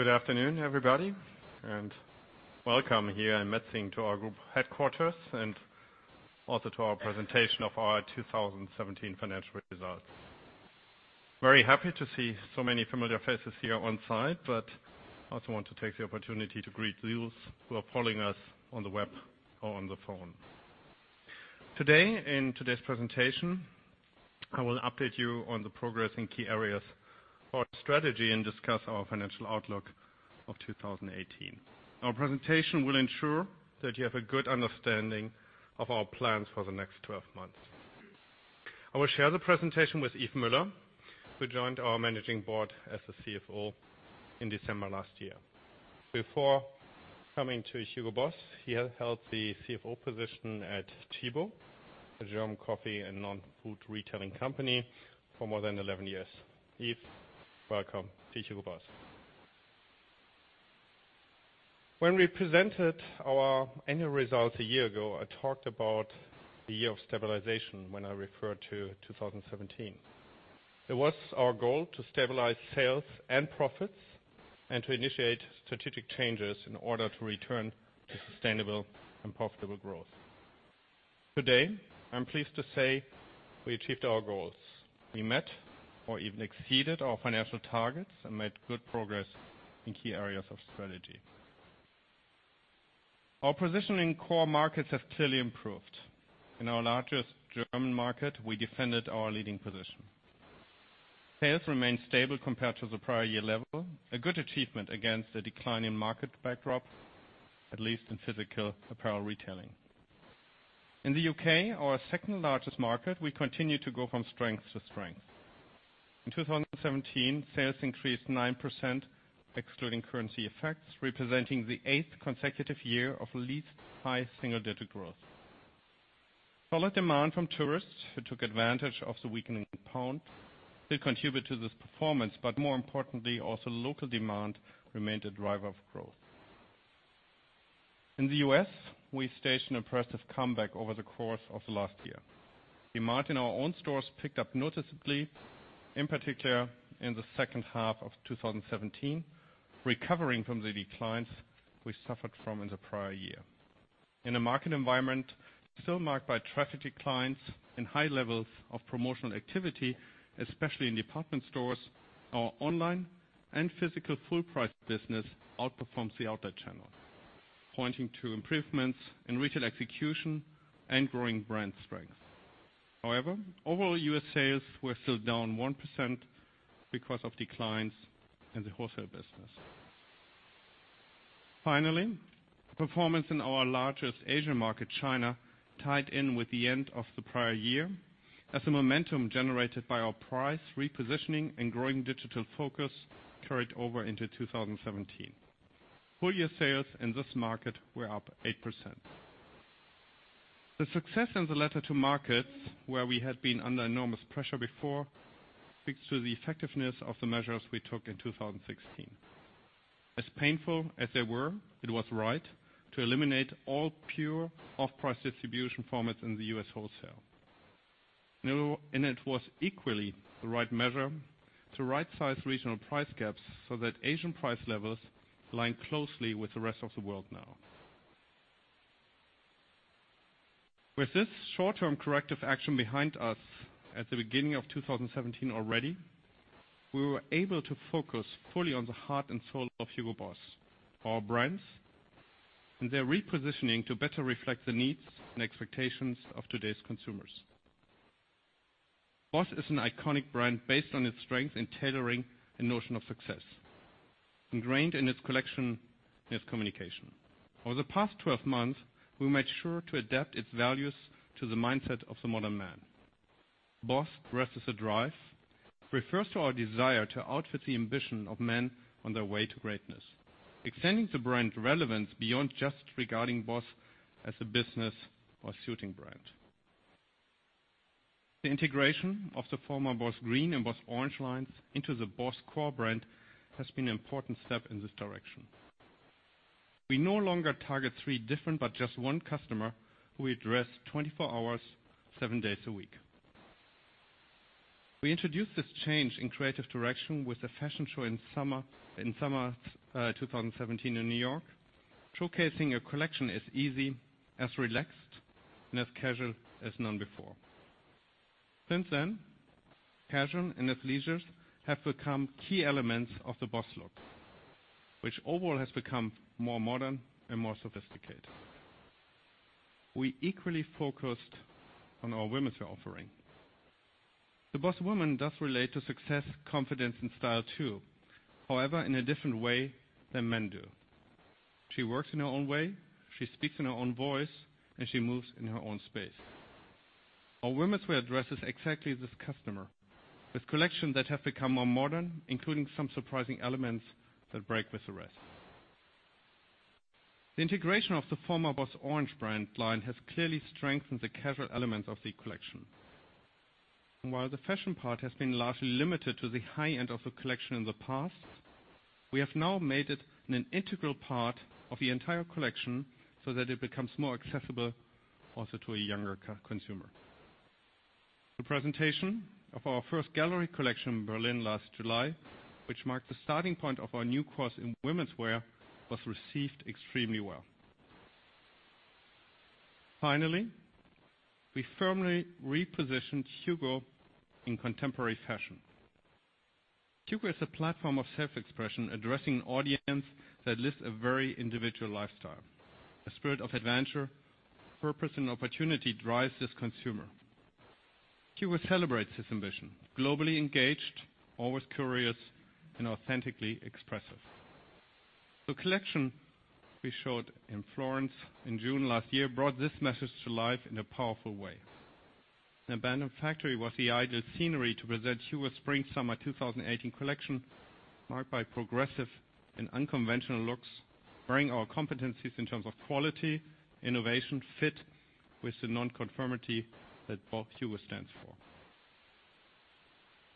Good afternoon, everybody, welcome here in Metzingen to our group headquarters, and also to our presentation of our 2017 financial results. Very happy to see so many familiar faces here on site, also want to take the opportunity to greet those who are following us on the web or on the phone. Today, in today's presentation, I will update you on the progress in key areas of our strategy and discuss our financial outlook of 2018. Our presentation will ensure that you have a good understanding of our plans for the next 12 months. I will share the presentation with Yves Müller, who joined our Managing Board as the CFO in December last year. Before coming to Hugo Boss, he held the CFO position at Tchibo, a German coffee and non-food retailing company, for more than 11 years. Yves, welcome to Hugo Boss. When we presented our annual results a year ago, I talked about the year of stabilization when I referred to 2017. It was our goal to stabilize sales and profits and to initiate strategic changes in order to return to sustainable and profitable growth. Today, I'm pleased to say we achieved our goals. We met or even exceeded our financial targets and made good progress in key areas of strategy. Our position in core markets has clearly improved. In our largest German market, we defended our leading position. Sales remained stable compared to the prior year level, a good achievement against a decline in market backdrop, at least in physical apparel retailing. In the U.K., our second-largest market, we continue to go from strength to strength. In 2017, sales increased 9%, excluding currency effects, representing the eighth consecutive year of at least high single-digit growth. Solid demand from tourists who took advantage of the weakening pound did contribute to this performance, more importantly, also local demand remained a driver of growth. In the U.S., we staged an impressive comeback over the course of last year. Demand in our own stores picked up noticeably, in particular in the second half of 2017, recovering from the declines we suffered from in the prior year. In a market environment still marked by traffic declines and high levels of promotional activity, especially in department stores or online, physical full-price business outperforms the outlet channel, pointing to improvements in retail execution and growing brand strength. However, overall U.S. sales were still down 1% because of declines in the wholesale business. Finally, performance in our largest Asian market, China, tied in with the end of the prior year as the momentum generated by our price repositioning and growing digital focus carried over into 2017. Full-year sales in this market were up 8%. The success in the latter two markets, where we had been under enormous pressure before, speaks to the effectiveness of the measures we took in 2016. As painful as they were, it was right to eliminate all pure off-price distribution formats in the U.S. wholesale. It was equally the right measure to right-size regional price gaps so that Asian price levels align closely with the rest of the world now. With this short-term corrective action behind us at the beginning of 2017 already, we were able to focus fully on the heart and soul of Hugo Boss, our brands, and their repositioning to better reflect the needs and expectations of today's consumers. BOSS is an iconic brand based on its strength in tailoring and notion of success, ingrained in its collection and its communication. Over the past 12 months, we made sure to adapt its values to the mindset of the modern man. BOSS dresses the drive, refers to our desire to outfit the ambition of men on their way to greatness, extending the brand relevance beyond just regarding BOSS as a business or suiting brand. The integration of the former BOSS Green and BOSS Orange lines into the BOSS core brand has been an important step in this direction. We no longer target three different, but just one customer who we dress 24 hours, seven days a week. We introduced this change in creative direction with a fashion show in summer 2017 in New York, showcasing a collection as easy, as relaxed, and as casual as known before. Since then, casual and athleisure have become key elements of the BOSS look, which overall has become more modern and more sophisticated. We equally focused on our womenswear offering. The BOSS woman does relate to success, confidence, and style too. However, in a different way than men do. She works in her own way, she speaks in her own voice, and she moves in her own space. Our womenswear addresses exactly this customer with collections that have become more modern, including some surprising elements that break with the rest. The integration of the former BOSS Orange brand line has clearly strengthened the casual elements of the collection. While the fashion part has been largely limited to the high end of the collection in the past, we have now made it an integral part of the entire collection so that it becomes more accessible also to a younger consumer. The presentation of our first Gallery Collection in Berlin last July, which marked the starting point of our new course in womenswear, was received extremely well. Finally, we firmly repositioned HUGO in contemporary fashion. HUGO is a platform of self-expression addressing an audience that lives a very individual lifestyle. A spirit of adventure, purpose, and opportunity drives this consumer. HUGO celebrates this ambition. Globally engaged, always curious, and authentically expressive. The collection we showed in Florence in June last year brought this message to life in a powerful way. An abandoned factory was the ideal scenery to present HUGO's spring-summer 2018 collection, marked by progressive and unconventional looks, bringing our competencies in terms of quality, innovation, fit, with the non-conformity that HUGO stands for.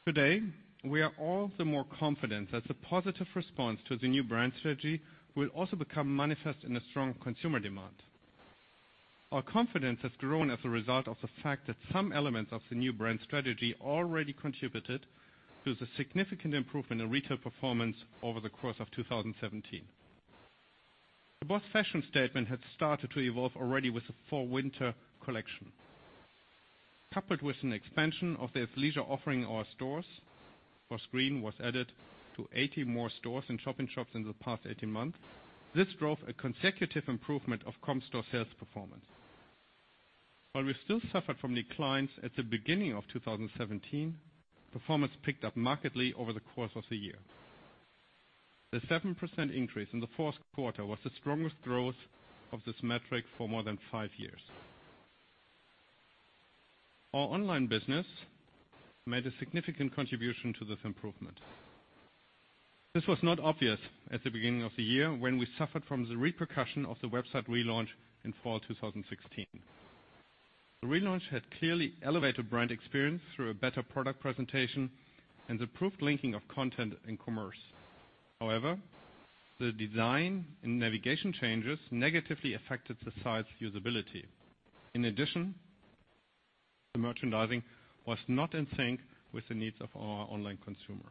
Today, we are all the more confident that the positive response to the new brand strategy will also become manifest in a strong consumer demand. Our confidence has grown as a result of the fact that some elements of the new brand strategy already contributed to the significant improvement in retail performance over the course of 2017. The BOSS fashion statement had started to evolve already with the fall-winter collection. Coupled with an expansion of the athleisure offering in our stores. BOSS Green was added to 80 more stores and shop-in-shops in the past 18 months. This drove a consecutive improvement of comp store sales performance. While we still suffered from declines at the beginning of 2017, performance picked up markedly over the course of the year. The 7% increase in the fourth quarter was the strongest growth of this metric for more than five years. Our online business made a significant contribution to this improvement. This was not obvious at the beginning of the year when we suffered from the repercussion of the website relaunch in fall 2016. The relaunch had clearly elevated brand experience through a better product presentation and improved linking of content and commerce. However, the design and navigation changes negatively affected the site's usability. In addition, the merchandising was not in sync with the needs of our online consumer.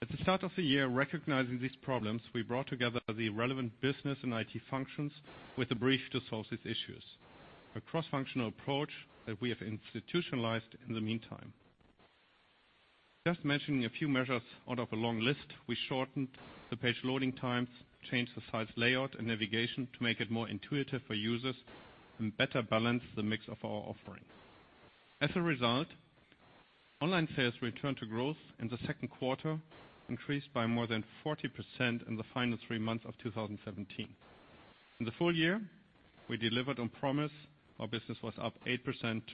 At the start of the year, recognizing these problems, we brought together the relevant business and IT functions with a brief to solve these issues. A cross-functional approach that we have institutionalized in the meantime. Just mentioning a few measures out of a long list. We shortened the page loading times, changed the site's layout and navigation to make it more intuitive for users, and better balanced the mix of our offerings. As a result, online sales returned to growth in the second quarter, increased by more than 40% in the final three months of 2017. In the full year, we delivered on promise. Our business was up 8%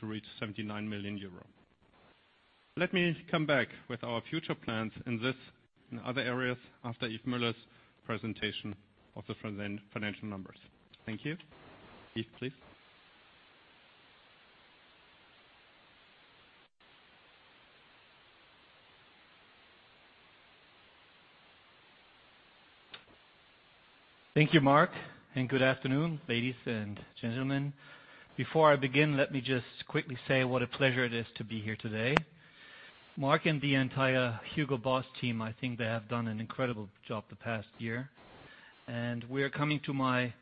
to reach 79 million euro. Let me come back with our future plans in this and other areas after Yves Müller's presentation of the financial numbers. Thank you. Yves, please. Thank you, Mark. Good afternoon, ladies and gentlemen. Before I begin, let me just quickly say what a pleasure it is to be here today. Mark and the entire Hugo Boss team, I think they have done an incredible job the past year. We are coming to my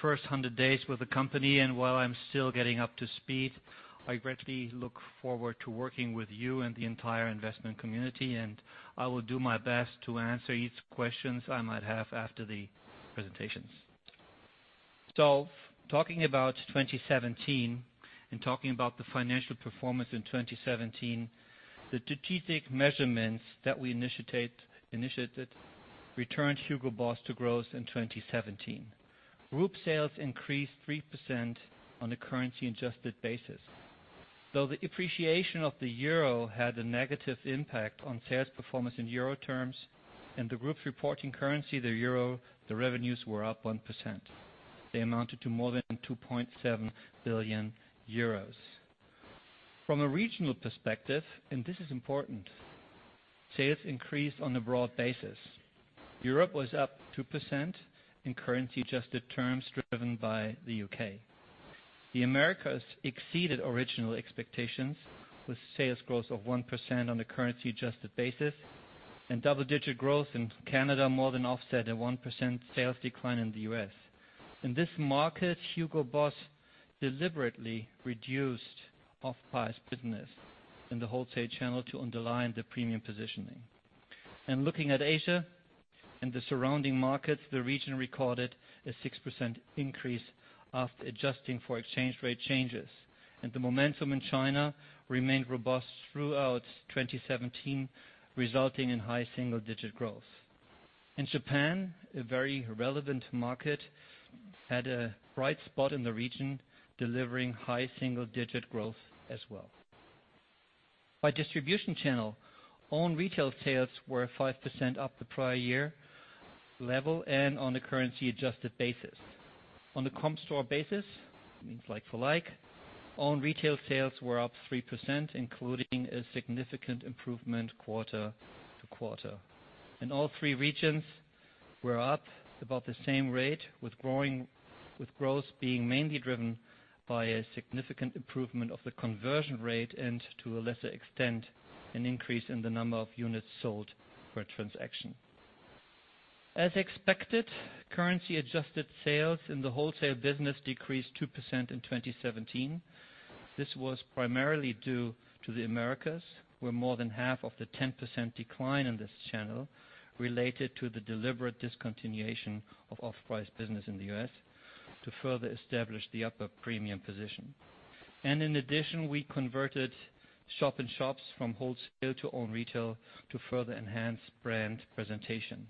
first 100 days with the company. While I'm still getting up to speed, I greatly look forward to working with you and the entire investment community, and I will do my best to answer each questions I might have after the presentations. Talking about 2017 and talking about the financial performance in 2017, the strategic measurements that we initiated returned Hugo Boss to growth in 2017. Group sales increased 3% on a currency adjusted basis. Though the appreciation of the EUR had a negative impact on sales performance in EUR terms and the group's reporting currency, the EUR, the revenues were up 1%. They amounted to more than 2.7 billion euros. From a regional perspective, this is important, sales increased on a broad basis. Europe was up 2% in currency adjusted terms driven by the U.K. The Americas exceeded original expectations with sales growth of 1% on a currency adjusted basis and double-digit growth in Canada more than offset a 1% sales decline in the U.S. In this market, Hugo Boss deliberately reduced off-price business in the wholesale channel to underline the premium positioning. Looking at Asia and the surrounding markets, the region recorded a 6% increase after adjusting for exchange rate changes. The momentum in China remained robust throughout 2017, resulting in high single-digit growth. In Japan, a very relevant market, had a bright spot in the region, delivering high single-digit growth as well. By distribution channel, own retail sales were 5% up the prior year level and on a currency adjusted basis. On the comp store basis, means like for like, own retail sales were up 3%, including a significant improvement quarter to quarter. In all three regions were up about the same rate with growth being mainly driven by a significant improvement of the conversion rate and, to a lesser extent, an increase in the number of units sold per transaction. As expected, currency-adjusted sales in the wholesale business decreased 2% in 2017. This was primarily due to the Americas, where more than half of the 10% decline in this channel related to the deliberate discontinuation of off-price business in the U.S. to further establish the upper-premium position. In addition, we converted shop-in-shops from wholesale to own retail to further enhance brand presentation.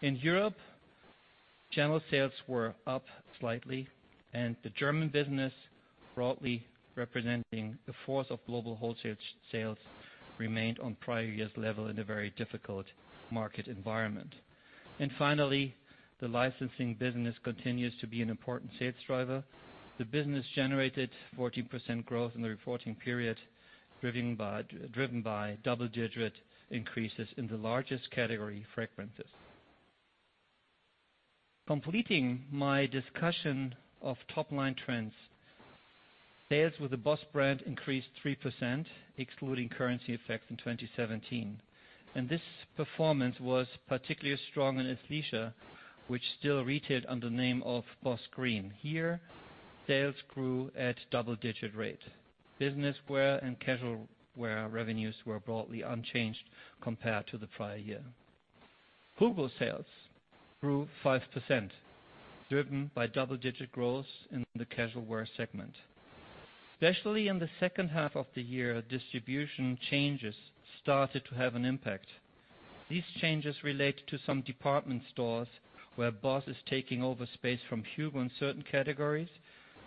In Europe, channel sales were up slightly and the German business, broadly representing one-fourth of global wholesale sales, remained on prior year's level in a very difficult market environment. Finally, the licensing business continues to be an important sales driver. The business generated 14% growth in the reporting period, driven by double-digit increases in the largest category, fragrances. Completing my discussion of top-line trends. Sales with the BOSS brand increased 3%, excluding currency effects in 2017. This performance was particularly strong in athleisure, which still retailed under the name of BOSS Green. Here, sales grew at double-digit rate. Business wear and casual wear revenues were broadly unchanged compared to the prior year. HUGO sales grew 5%, driven by double-digit growth in the casual wear segment. Especially in the second half of the year, distribution changes started to have an impact. These changes relate to some department stores where BOSS is taking over space from HUGO in certain categories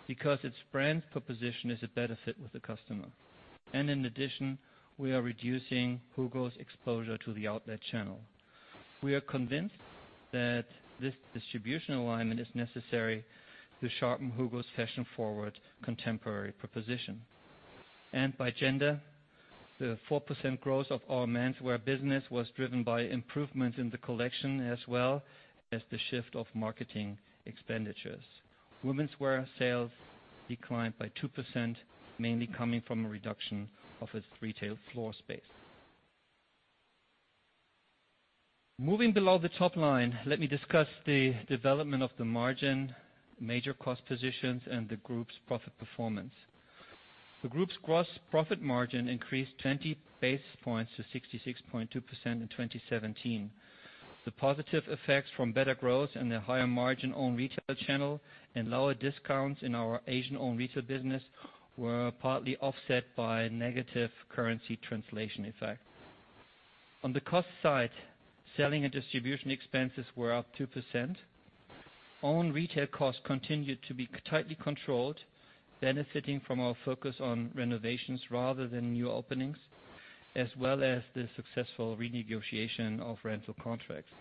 because its brand proposition is a better fit with the customer. In addition, we are reducing HUGO's exposure to the outlet channel. We are convinced that this distribution alignment is necessary to sharpen HUGO's fashion-forward contemporary proposition. By gender, the 4% growth of our menswear business was driven by improvements in the collection as well as the shift of marketing expenditures. Womenswear sales declined by 2%, mainly coming from a reduction of its retail floor space. Moving below the top line, let me discuss the development of the margin, major cost positions, and the group's profit performance. The group's gross profit margin increased 20 basis points to 66.2% in 2017. The positive effects from better growth and the higher margin own retail channel and lower discounts in our Asian own retail business were partly offset by negative currency translation effect. On the cost side, selling and distribution expenses were up 2%. Own retail costs continued to be tightly controlled, benefiting from our focus on renovations rather than new openings, as well as the successful renegotiation of rental contracts.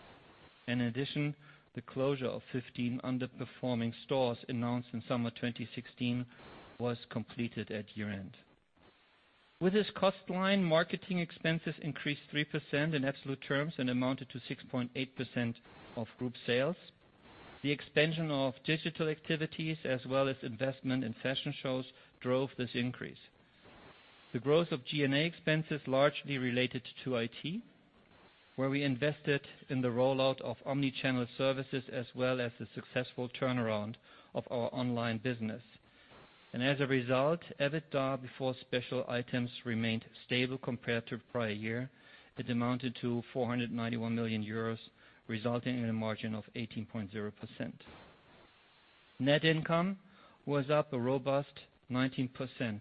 In addition, the closure of 15 underperforming stores announced in summer 2016 was completed at year-end. With this cost line, marketing expenses increased 3% in absolute terms and amounted to 6.8% of group sales. The expansion of digital activities as well as investment in fashion shows drove this increase. The growth of G&A expenses largely related to IT, where we invested in the rollout of omni-channel services, as well as the successful turnaround of our online business. As a result, EBITDA before special items remained stable compared to the prior year. It amounted to 491 million euros, resulting in a margin of 18.0%. Net income was up a robust 19%.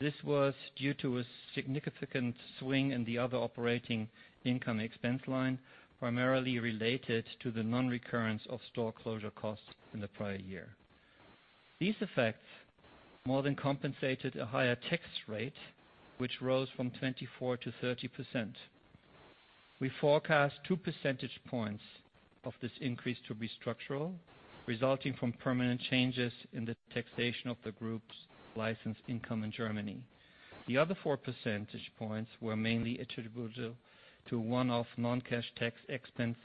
This was due to a significant swing in the other operating income expense line, primarily related to the non-recurrence of store closure costs in the prior year. These effects more than compensated a higher tax rate, which rose from 24%-30%. We forecast two percentage points of this increase to be structural, resulting from permanent changes in the taxation of the group's licensed income in Germany. The other four percentage points were mainly attributable to one-off non-cash tax expense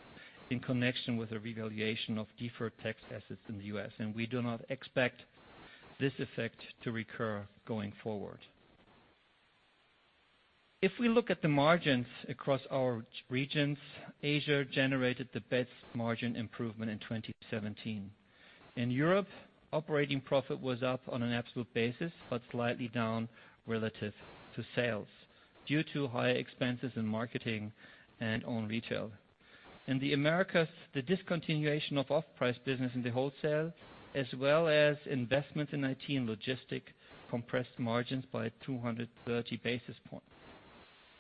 in connection with a revaluation of deferred tax assets in the U.S. We do not expect this effect to recur going forward. If we look at the margins across our regions, Asia generated the best margin improvement in 2017. In Europe, operating profit was up on an absolute basis, but slightly down relative to sales due to higher expenses in marketing and own retail. In the Americas, the discontinuation of off-price business in the wholesale, as well as investment in IT and logistics compressed margins by 230 basis points.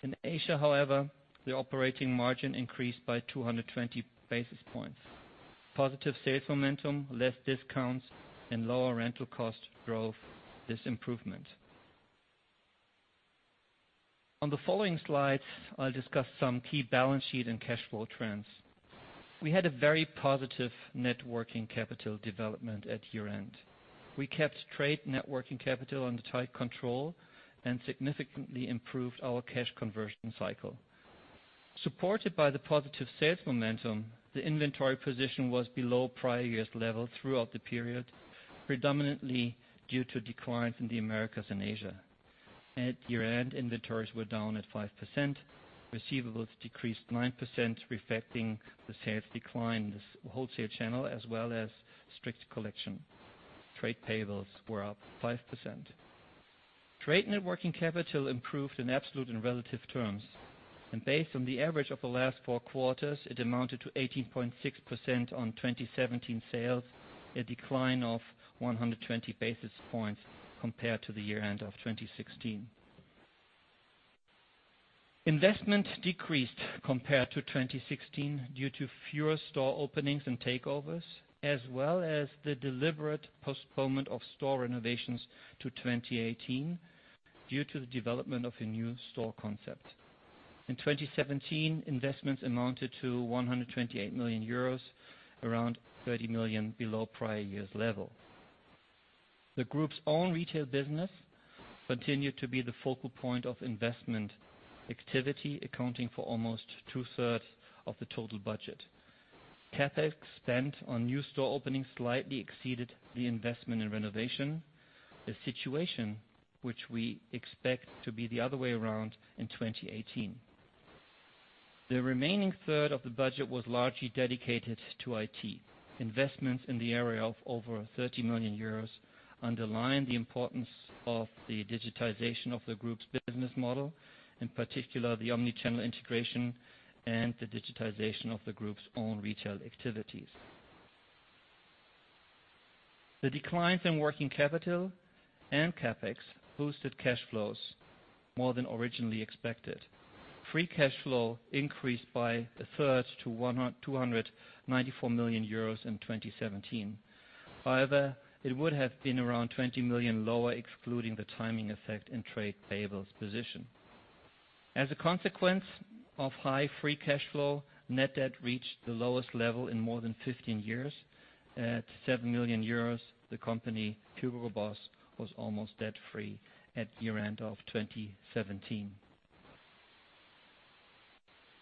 In Asia, however, the operating margin increased by 220 basis points. Positive sales momentum, less discounts, and lower rental cost drove this improvement. On the following slides, I'll discuss some key balance sheet and cash flow trends. We had a very positive net working capital development at year-end. We kept trade net working capital under tight control and significantly improved our cash conversion cycle. Supported by the positive sales momentum, the inventory position was below prior year's level throughout the period, predominantly due to declines in the Americas and Asia. At year-end, inventories were down at 5%, receivables decreased 9%, reflecting the sales decline in the wholesale channel, as well as strict collection. Trade payables were up 5%. Trade net working capital improved in absolute and relative terms. Based on the average of the last four quarters, it amounted to 18.6% on 2017 sales, a decline of 120 basis points compared to the year-end of 2016. Investments decreased compared to 2016 due to fewer store openings and takeovers, as well as the deliberate postponement of store renovations to 2018 due to the development of a new store concept. In 2017, investments amounted to 128 million euros, around 30 million below prior year's level. The group's own retail business continued to be the focal point of investment activity, accounting for almost two-thirds of the total budget. CapEx spend on new store openings slightly exceeded the investment in renovation, a situation which we expect to be the other way around in 2018. The remaining third of the budget was largely dedicated to IT. Investments in the area of over 30 million euros underline the importance of the digitization of the group's business model, in particular the omni-channel integration and the digitization of the group's own retail activities. The declines in net working capital and CapEx boosted cash flows more than originally expected. Free cash flow increased by a third to 294 million euros in 2017. However, it would have been around 20 million lower, excluding the timing effect and trade payables position. As a consequence of high free cash flow, net debt reached the lowest level in more than 15 years. At 7 million euros, Hugo Boss was almost debt-free at year-end of 2017.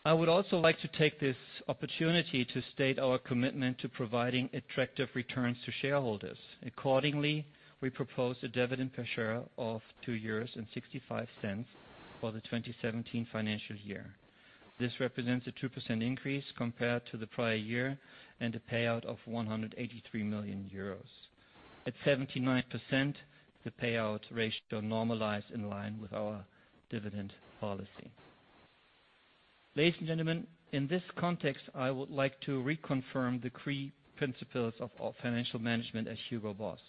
I would also like to take this opportunity to state our commitment to providing attractive returns to shareholders. Accordingly, we propose a dividend per share of 2.65 euros for the 2017 financial year. This represents a 2% increase compared to the prior year and a payout of 183 million euros. At 79%, the payout ratio normalized in line with our dividend policy. Ladies and gentlemen, in this context, I would like to reconfirm the key principles of our financial management at Hugo Boss.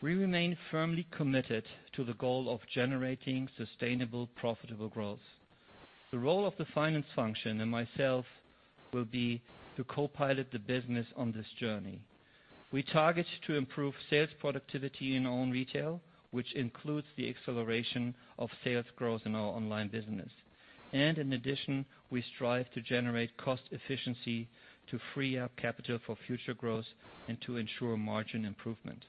We remain firmly committed to the goal of generating sustainable, profitable growth. The role of the finance function and myself will be to co-pilot the business on this journey. We target to improve sales productivity in own retail, which includes the acceleration of sales growth in our online business. In addition, we strive to generate cost efficiency to free up capital for future growth and to ensure margin improvement.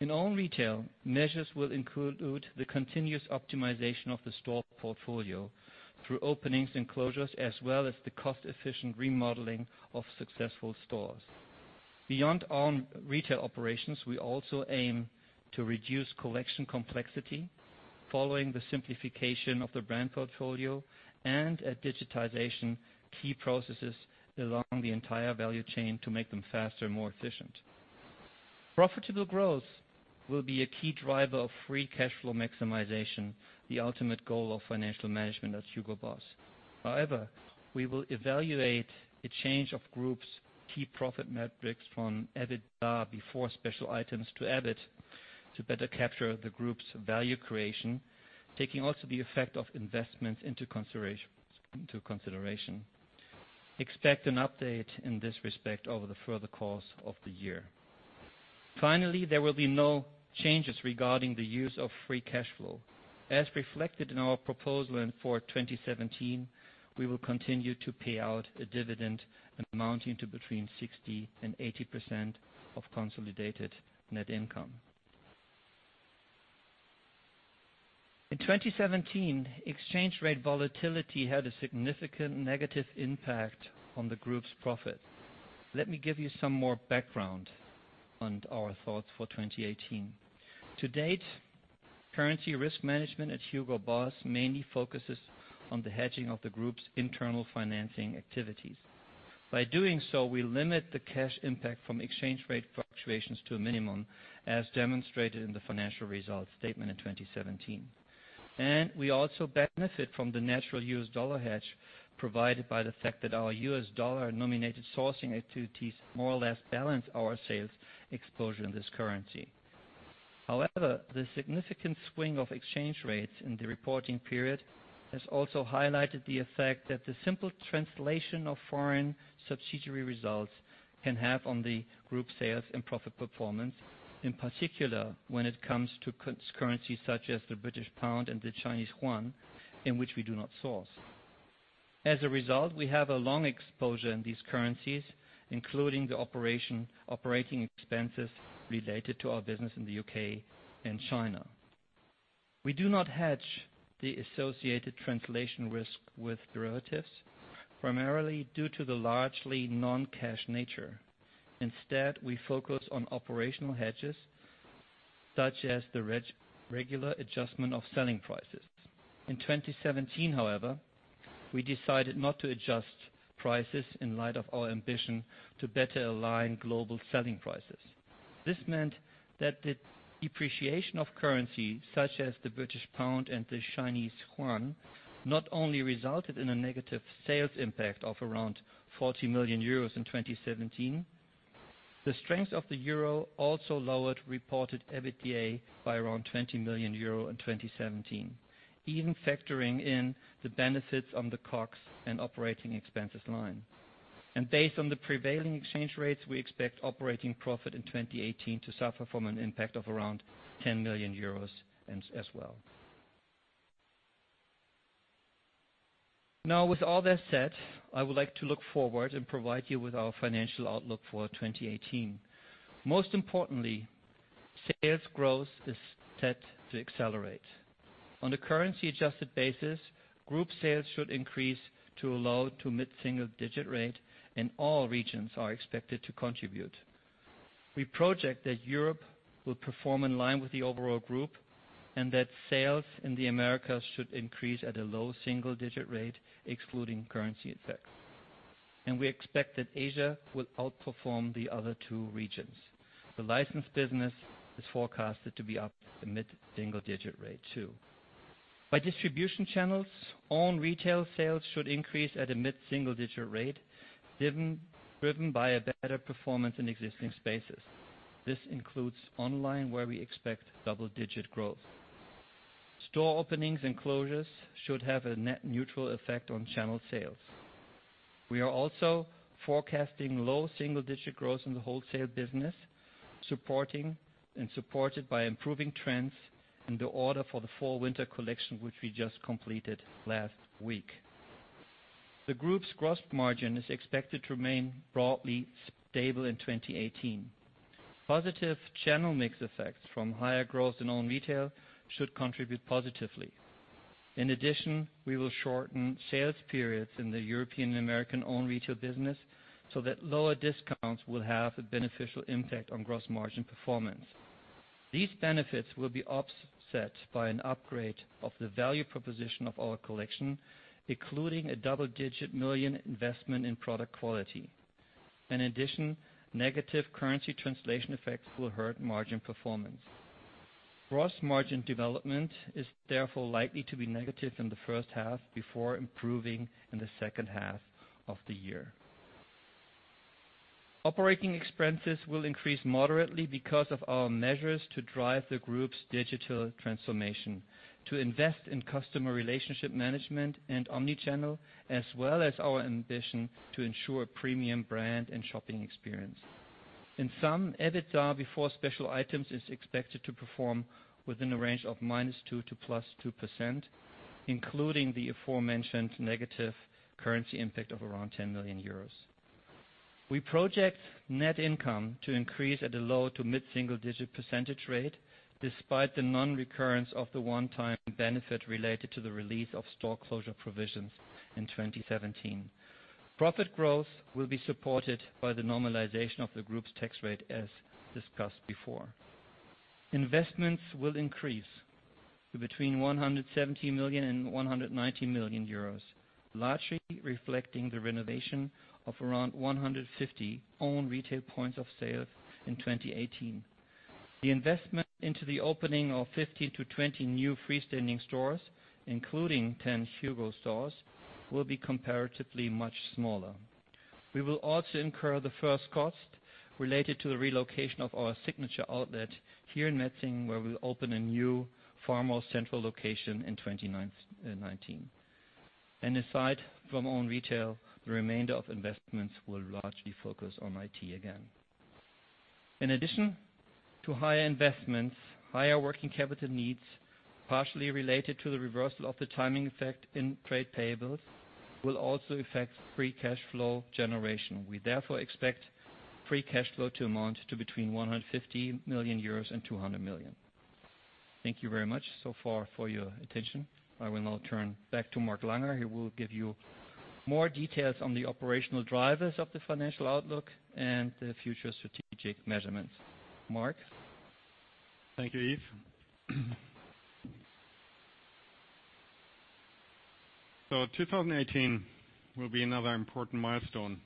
In own retail, measures will include the continuous optimization of the store portfolio through openings and closures, as well as the cost-efficient remodeling of successful stores. Beyond own retail operations, we also aim to reduce collection complexity following the simplification of the brand portfolio and at digitization key processes along the entire value chain to make them faster and more efficient. Profitable growth will be a key driver of free cash flow maximization, the ultimate goal of financial management at Hugo Boss. We will evaluate a change of group's key profit metrics from EBITDA before special items to EBIT to better capture the group's value creation, taking also the effect of investments into consideration. Expect an update in this respect over the further course of the year. There will be no changes regarding the use of free cash flow. As reflected in our proposal for 2017, we will continue to pay out a dividend amounting to between 60%-80% of consolidated net income. In 2017, exchange rate volatility had a significant negative impact on the group's profit. Let me give you some more background on our thoughts for 2018. To date, currency risk management at Hugo Boss mainly focuses on the hedging of the group's internal financing activities. By doing so, we limit the cash impact from exchange rate fluctuations to a minimum, as demonstrated in the financial results statement in 2017. We also benefit from the natural U.S. dollar hedge provided by the fact that our U.S. dollar-nominated sourcing activities more or less balance our sales exposure in this currency. The significant swing of exchange rates in the reporting period has also highlighted the effect that the simple translation of foreign subsidiary results can have on the group sales and profit performance, in particular, when it comes to currencies such as the British pound and the Chinese yuan, in which we do not source. As a result, we have a long exposure in these currencies, including the operating expenses related to our business in the U.K. and China. We do not hedge the associated translation risk with derivatives, primarily due to the largely non-cash nature. Instead, we focus on operational hedges, such as the regular adjustment of selling prices. In 2017, however, we decided not to adjust prices in light of our ambition to better align global selling prices. This meant that the depreciation of currency, such as the British pound and the Chinese yuan, not only resulted in a negative sales impact of around 40 million euros in 2017. The strength of the euro also lowered reported EBITDA by around 20 million euro in 2017, even factoring in the benefits on the COGS and operating expenses line. Based on the prevailing exchange rates, we expect operating profit in 2018 to suffer from an impact of around 10 million euros as well. With all that said, I would like to look forward and provide you with our financial outlook for 2018. Most importantly, sales growth is set to accelerate. On a currency-adjusted basis, group sales should increase to a low to mid-single-digit rate, and all regions are expected to contribute. We project that Europe will perform in line with the overall group, and that sales in the Americas should increase at a low single-digit rate, excluding currency effects. We expect that Asia will outperform the other two regions. The licensed business is forecasted to be up at the mid-single-digit rate, too. By distribution channels, own retail sales should increase at a mid-single-digit rate, driven by a better performance in existing spaces. This includes online, where we expect double-digit growth. Store openings and closures should have a net neutral effect on channel sales. We are also forecasting low single-digit growth in the wholesale business, supported by improving trends in the order for the fall-winter collection, which we just completed last week. The group's gross margin is expected to remain broadly stable in 2018. Positive channel mix effects from higher growth in own retail should contribute positively. In addition, we will shorten sales periods in the European and American own retail business, so that lower discounts will have a beneficial impact on gross margin performance. These benefits will be offset by an upgrade of the value proposition of our collection, including a double-digit million investment in product quality. In addition, negative currency translation effects will hurt margin performance. Gross margin development is therefore likely to be negative in the first half before improving in the second half of the year. Operating expenses will increase moderately because of our measures to drive the group's digital transformation, to invest in customer relationship management and omni-channel, as well as our ambition to ensure premium brand and shopping experience. In sum, EBITDA before special items is expected to perform within a range of -2% to +2%, including the aforementioned negative currency impact of around 10 million euros. We project net income to increase at a low to mid-single-digit percentage rate, despite the non-recurrence of the one-time benefit related to the release of store closure provisions in 2017. Profit growth will be supported by the normalization of the group's tax rate, as discussed before. Investments will increase to between 170 million and 190 million euros, largely reflecting the renovation of around 150 own retail points of sale in 2018. The investment into the opening of 15 to 20 new freestanding stores, including 10 HUGO stores, will be comparatively much smaller. We will also incur the first cost related to the relocation of our signature outlet here in Metzingen, where we'll open a new, far more central location in 2019. Aside from own retail, the remainder of investments will largely focus on IT again. In addition to higher investments, higher working capital needs, partially related to the reversal of the timing effect in trade payables, will also affect free cash flow generation. We therefore expect free cash flow to amount to between 150 million euros and 200 million. Thank you very much so far for your attention. I will now turn back to Mark Langer, who will give you more details on the operational drivers of the financial outlook and the future strategic measurements. Mark? Thank you, Yves. 2018 will be another important milestone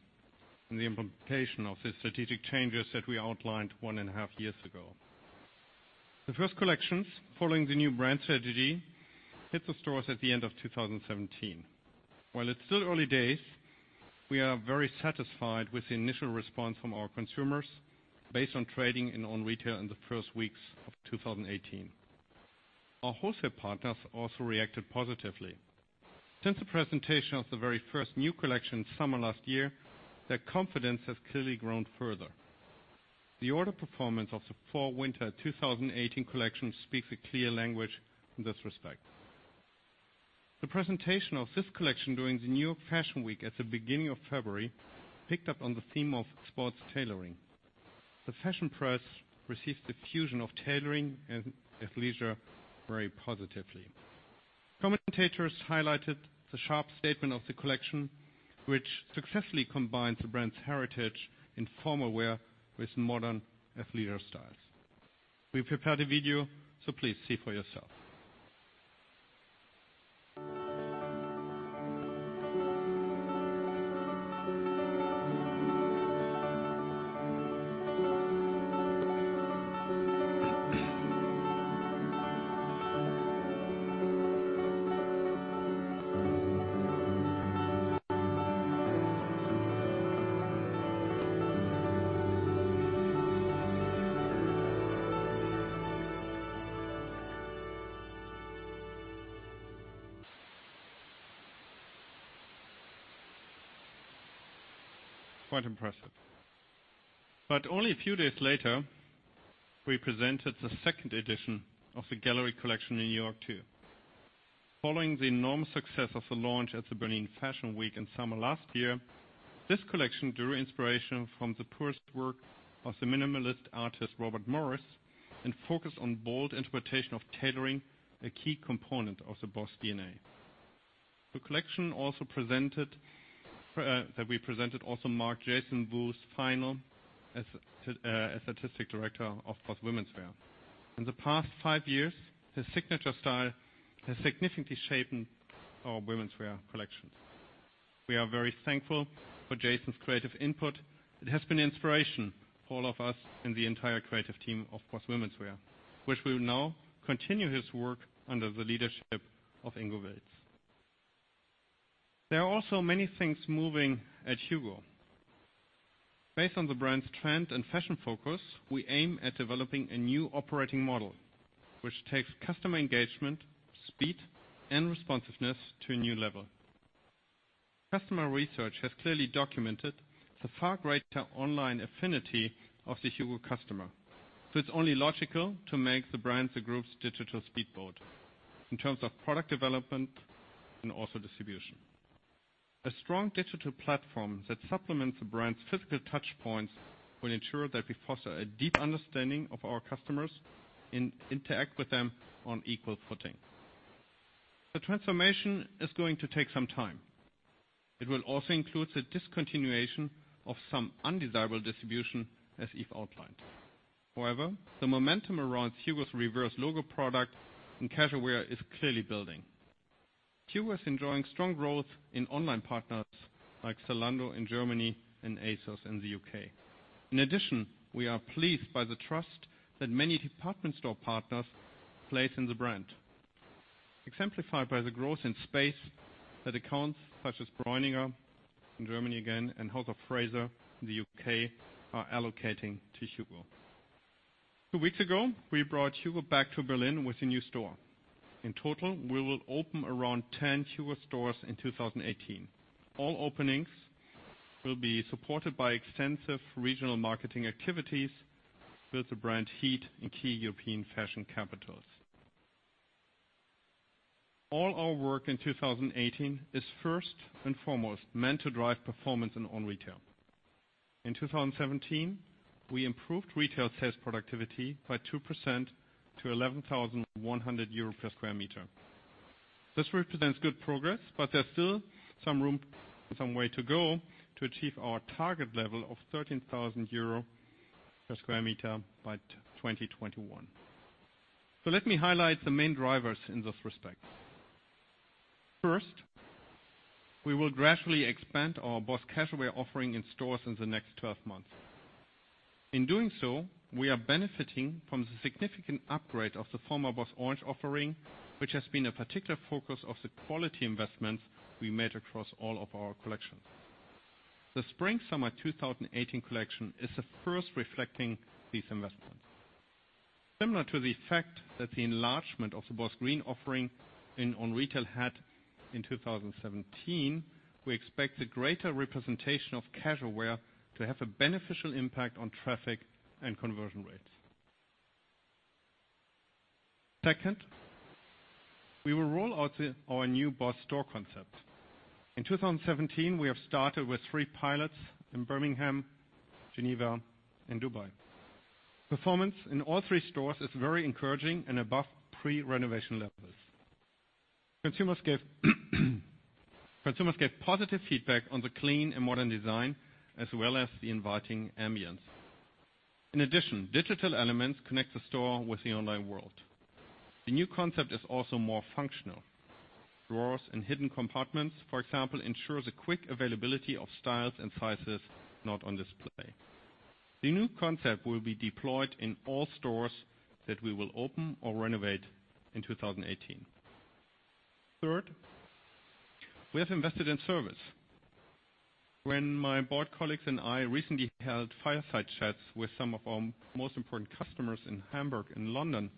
in the implementation of the strategic changes that we outlined one and a half years ago. The first collections following the new brand strategy hit the stores at the end of 2017. While it's still early days, we are very satisfied with the initial response from our consumers based on trading in own retail in the first weeks of 2018. Our wholesale partners also reacted positively. Since the presentation of the very first new collection summer last year, their confidence has clearly grown further. The order performance of the fall-winter 2018 collection speaks a clear language in this respect. The presentation of this collection during the New York Fashion Week at the beginning of February picked up on the theme of sports tailoring. The fashion press received the fusion of tailoring and athleisure very positively. Commentators highlighted the sharp statement of the collection, which successfully combines the brand's heritage in formal wear with modern athleisure styles. We prepared a video, please see for yourself. Quite impressive. Only a few days later, we presented the second edition of the Gallery Collection in New York, too. Following the enormous success of the launch at the Berlin Fashion Week in summer last year, this collection drew inspiration from the process work of the minimalist artist, Robert Morris, and focused on bold interpretation of tailoring, a key component of the BOSS DNA. The collection that we presented also marked Jason Wu's final as Artistic Director of BOSS Womenswear. In the past five years, his signature style has significantly shaped our womenswear collection. We are very thankful for Jason's creative input. It has been an inspiration for all of us in the entire creative team of BOSS Womenswear. Which will now continue his work under the leadership of Ingo Wilts. There are also many things moving at HUGO. Based on the brand's trend and fashion focus, we aim at developing a new operating model, which takes customer engagement, speed, and responsiveness to a new level. Customer research has clearly documented the far greater online affinity of the HUGO customer. It's only logical to make the brand the group's digital speedboat in terms of product development and also distribution. A strong digital platform that supplements the brand's physical touchpoints will ensure that we foster a deep understanding of our customers and interact with them on equal footing. The transformation is going to take some time. It will also include the discontinuation of some undesirable distribution, as Yves outlined. However, the momentum around HUGO's reverse logo product and casual wear is clearly building. HUGO is enjoying strong growth in online partners like Zalando in Germany and ASOS in the U.K. In addition, we are pleased by the trust that many department store partners place in the brand. Exemplified by the growth in space that accounts such as Breuninger in Germany again and House of Fraser in the U.K. are allocating to HUGO. Two weeks ago, we brought HUGO back to Berlin with a new store. In total, we will open around 10 HUGO stores in 2018. All openings will be supported by extensive regional marketing activities to build the brand heat in key European fashion capitals. All our work in 2018 is first and foremost meant to drive performance in own retail. In 2017, we improved retail sales productivity by 2% to 11,100 euros per square meter. There's still some room, some way to go, to achieve our target level of 13,000 euro per square meter by 2021. Let me highlight the main drivers in this respect. First, we will gradually expand our BOSS casual wear offering in stores in the next 12 months. In doing so, we are benefiting from the significant upgrade of the former BOSS Orange offering, which has been a particular focus of the quality investments we made across all of our collections. The spring-summer 2018 collection is the first reflecting these investments. Similar to the effect that the enlargement of the BOSS Green offering in own retail had in 2017, we expect the greater representation of casual wear to have a beneficial impact on traffic and conversion rates. Second, we will roll out our new BOSS store concept. In 2017, we have started with three pilots in Birmingham, Geneva, and Dubai. Performance in all three stores is very encouraging and above pre-renovation levels. Consumers gave positive feedback on the clean and modern design, as well as the inviting ambiance. In addition, digital elements connect the store with the online world. The new concept is also more functional. Drawers and hidden compartments, for example, ensure the quick availability of styles and sizes not on display. The new concept will be deployed in all stores that we will open or renovate in 2018. Third, we have invested in service. When my board colleagues and I recently held fireside chats with some of our most important customers in Hamburg and London.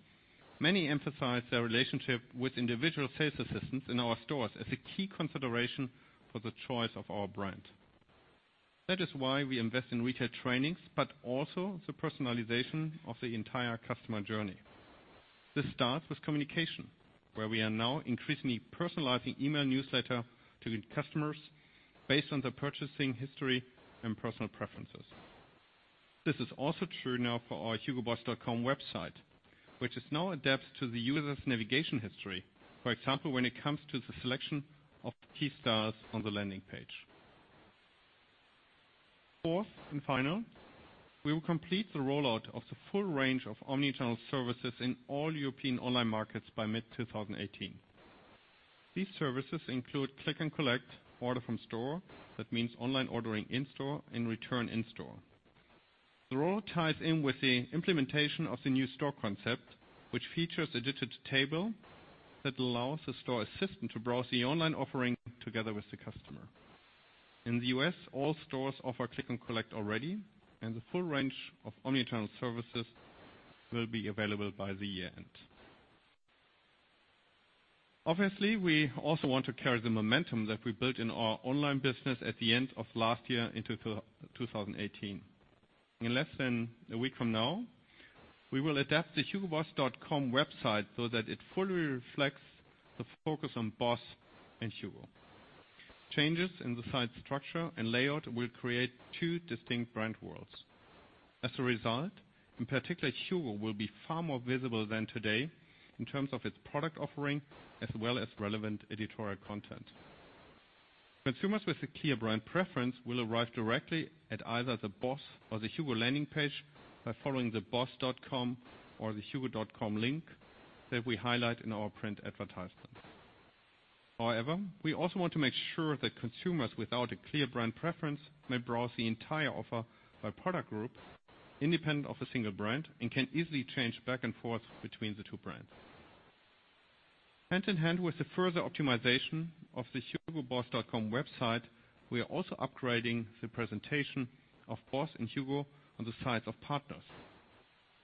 Many emphasize their relationship with individual sales assistants in our stores as a key consideration for the choice of our brand. That is why we invest in retail trainings, but also the personalization of the entire customer journey. This starts with communication, where we are now increasingly personalizing email newsletter to customers based on their purchasing history and personal preferences. This is also true now for our hugoboss.com website, which is now adapted to the user's navigation history. For example, when it comes to the selection of key styles on the landing page. Fourth and final, we will complete the rollout of the full range of omni-channel services in all European online markets by mid-2018. These services include click and collect order from store. That means online ordering in-store and return in-store. The rollout ties in with the implementation of the new store concept, which features a digital table that allows the store assistant to browse the online offering together with the customer. In the U.S., all stores offer click and collect already, and the full range of omni-channel services will be available by the year-end. Obviously, we also want to carry the momentum that we built in our online business at the end of last year into 2018. In less than a week from now, we will adapt the hugoboss.com website so that it fully reflects the focus on BOSS and HUGO. Changes in the site structure and layout will create two distinct brand worlds. As a result, in particular, HUGO will be far more visible than today in terms of its product offering as well as relevant editorial content. Consumers with a clear brand preference will arrive directly at either the BOSS or the HUGO landing page by following the boss.com or the hugo.com link that we highlight in our print advertisements. However, we also want to make sure that consumers without a clear brand preference may browse the entire offer by product group, independent of a single brand, and can easily change back and forth between the two brands. Hand in hand with the further optimization of the hugoboss.com website, we are also upgrading the presentation of BOSS and HUGO on the sites of partners.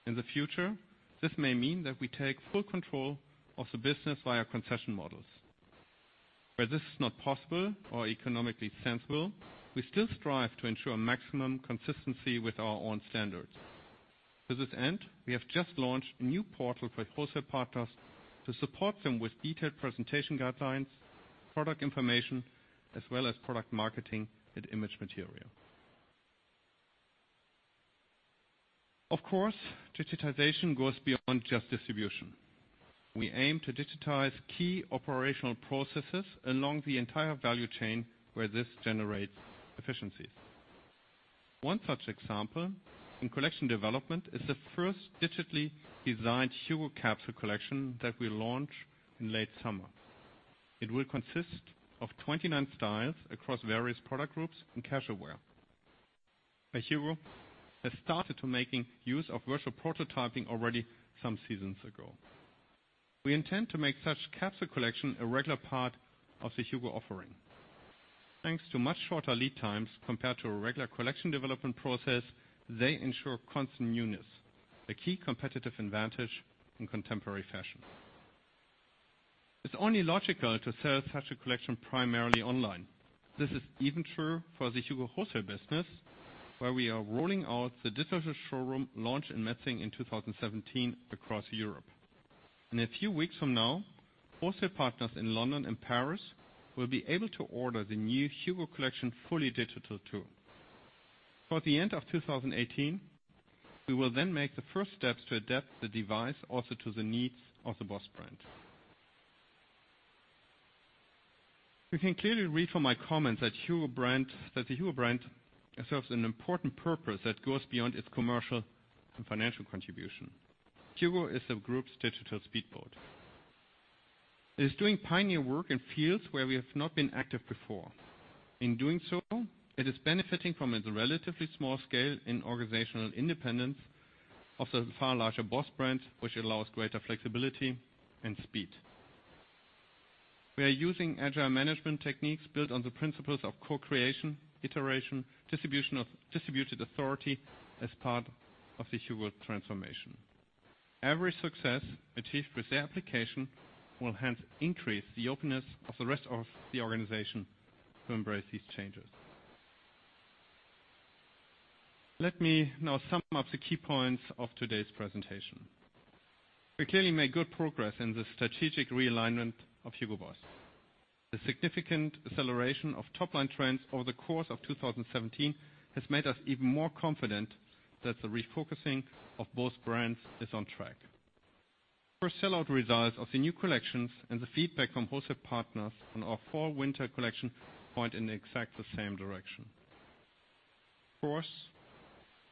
In the future, this may mean that we take full control of the business via concession models. Where this is not possible or economically sensible, we still strive to ensure maximum consistency with our own standards. To this end, we have just launched a new portal for wholesale partners to support them with detailed presentation guidelines, product information, as well as product marketing and image material. Of course, digitization goes beyond just distribution. We aim to digitize key operational processes along the entire value chain where this generates efficiencies. One such example in collection development is the first digitally designed HUGO capsule collection that we launch in late summer. It will consist of 29 styles across various product groups in casual wear. At HUGO, we have started to make use of virtual prototyping already some seasons ago. We intend to make such capsule collection a regular part of the HUGO offering. Thanks to much shorter lead times compared to a regular collection development process, they ensure constant newness, a key competitive advantage in contemporary fashion. It's only logical to sell such a collection primarily online. This is even truer for the HUGO wholesale business, where we are rolling out the digital showroom launched in Metzingen in 2017 across Europe. In a few weeks from now, wholesale partners in London and Paris will be able to order the new HUGO collection fully digital too. For the end of 2018, we will then make the first steps to adapt the device also to the needs of the BOSS brand. You can clearly read from my comments that the HUGO brand serves an important purpose that goes beyond its commercial and financial contribution. HUGO is the group's digital speedboat. It is doing pioneer work in fields where we have not been active before. In doing so, it is benefiting from its relatively small scale and organizational independence of the far larger BOSS brand, which allows greater flexibility and speed. We are using agile management techniques built on the principles of co-creation, iteration, distribution of distributed authority as part of the HUGO transformation. Every success achieved with the application will hence increase the openness of the rest of the organization to embrace these changes. Let me now sum up the key points of today's presentation. We clearly made good progress in the strategic realignment of Hugo Boss. The significant acceleration of top-line trends over the course of 2017 has made us even more confident that the refocusing of both brands is on track. First sell-out results of the new collections and the feedback from wholesale partners on our fall-winter collection point in exactly the same direction. Of course,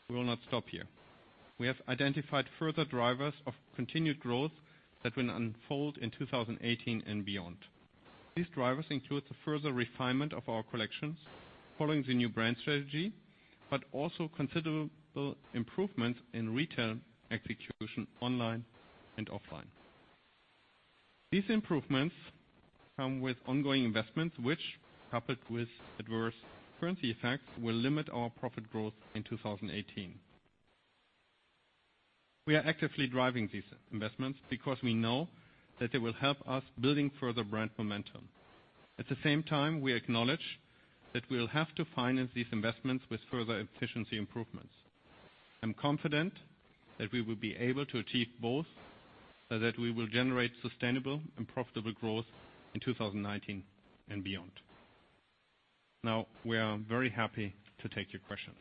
we will not stop here. We have identified further drivers of continued growth that will unfold in 2018 and beyond. These drivers include the further refinement of our collections following the new brand strategy, but also considerable improvements in retail execution online and offline. These improvements come with ongoing investments which, coupled with adverse currency effects, will limit our profit growth in 2018. We are actively driving these investments because we know that they will help us building further brand momentum. At the same time, we acknowledge that we'll have to finance these investments with further efficiency improvements. I'm confident that we will be able to achieve both, so that we will generate sustainable and profitable growth in 2019 and beyond. Now, we are very happy to take your questions.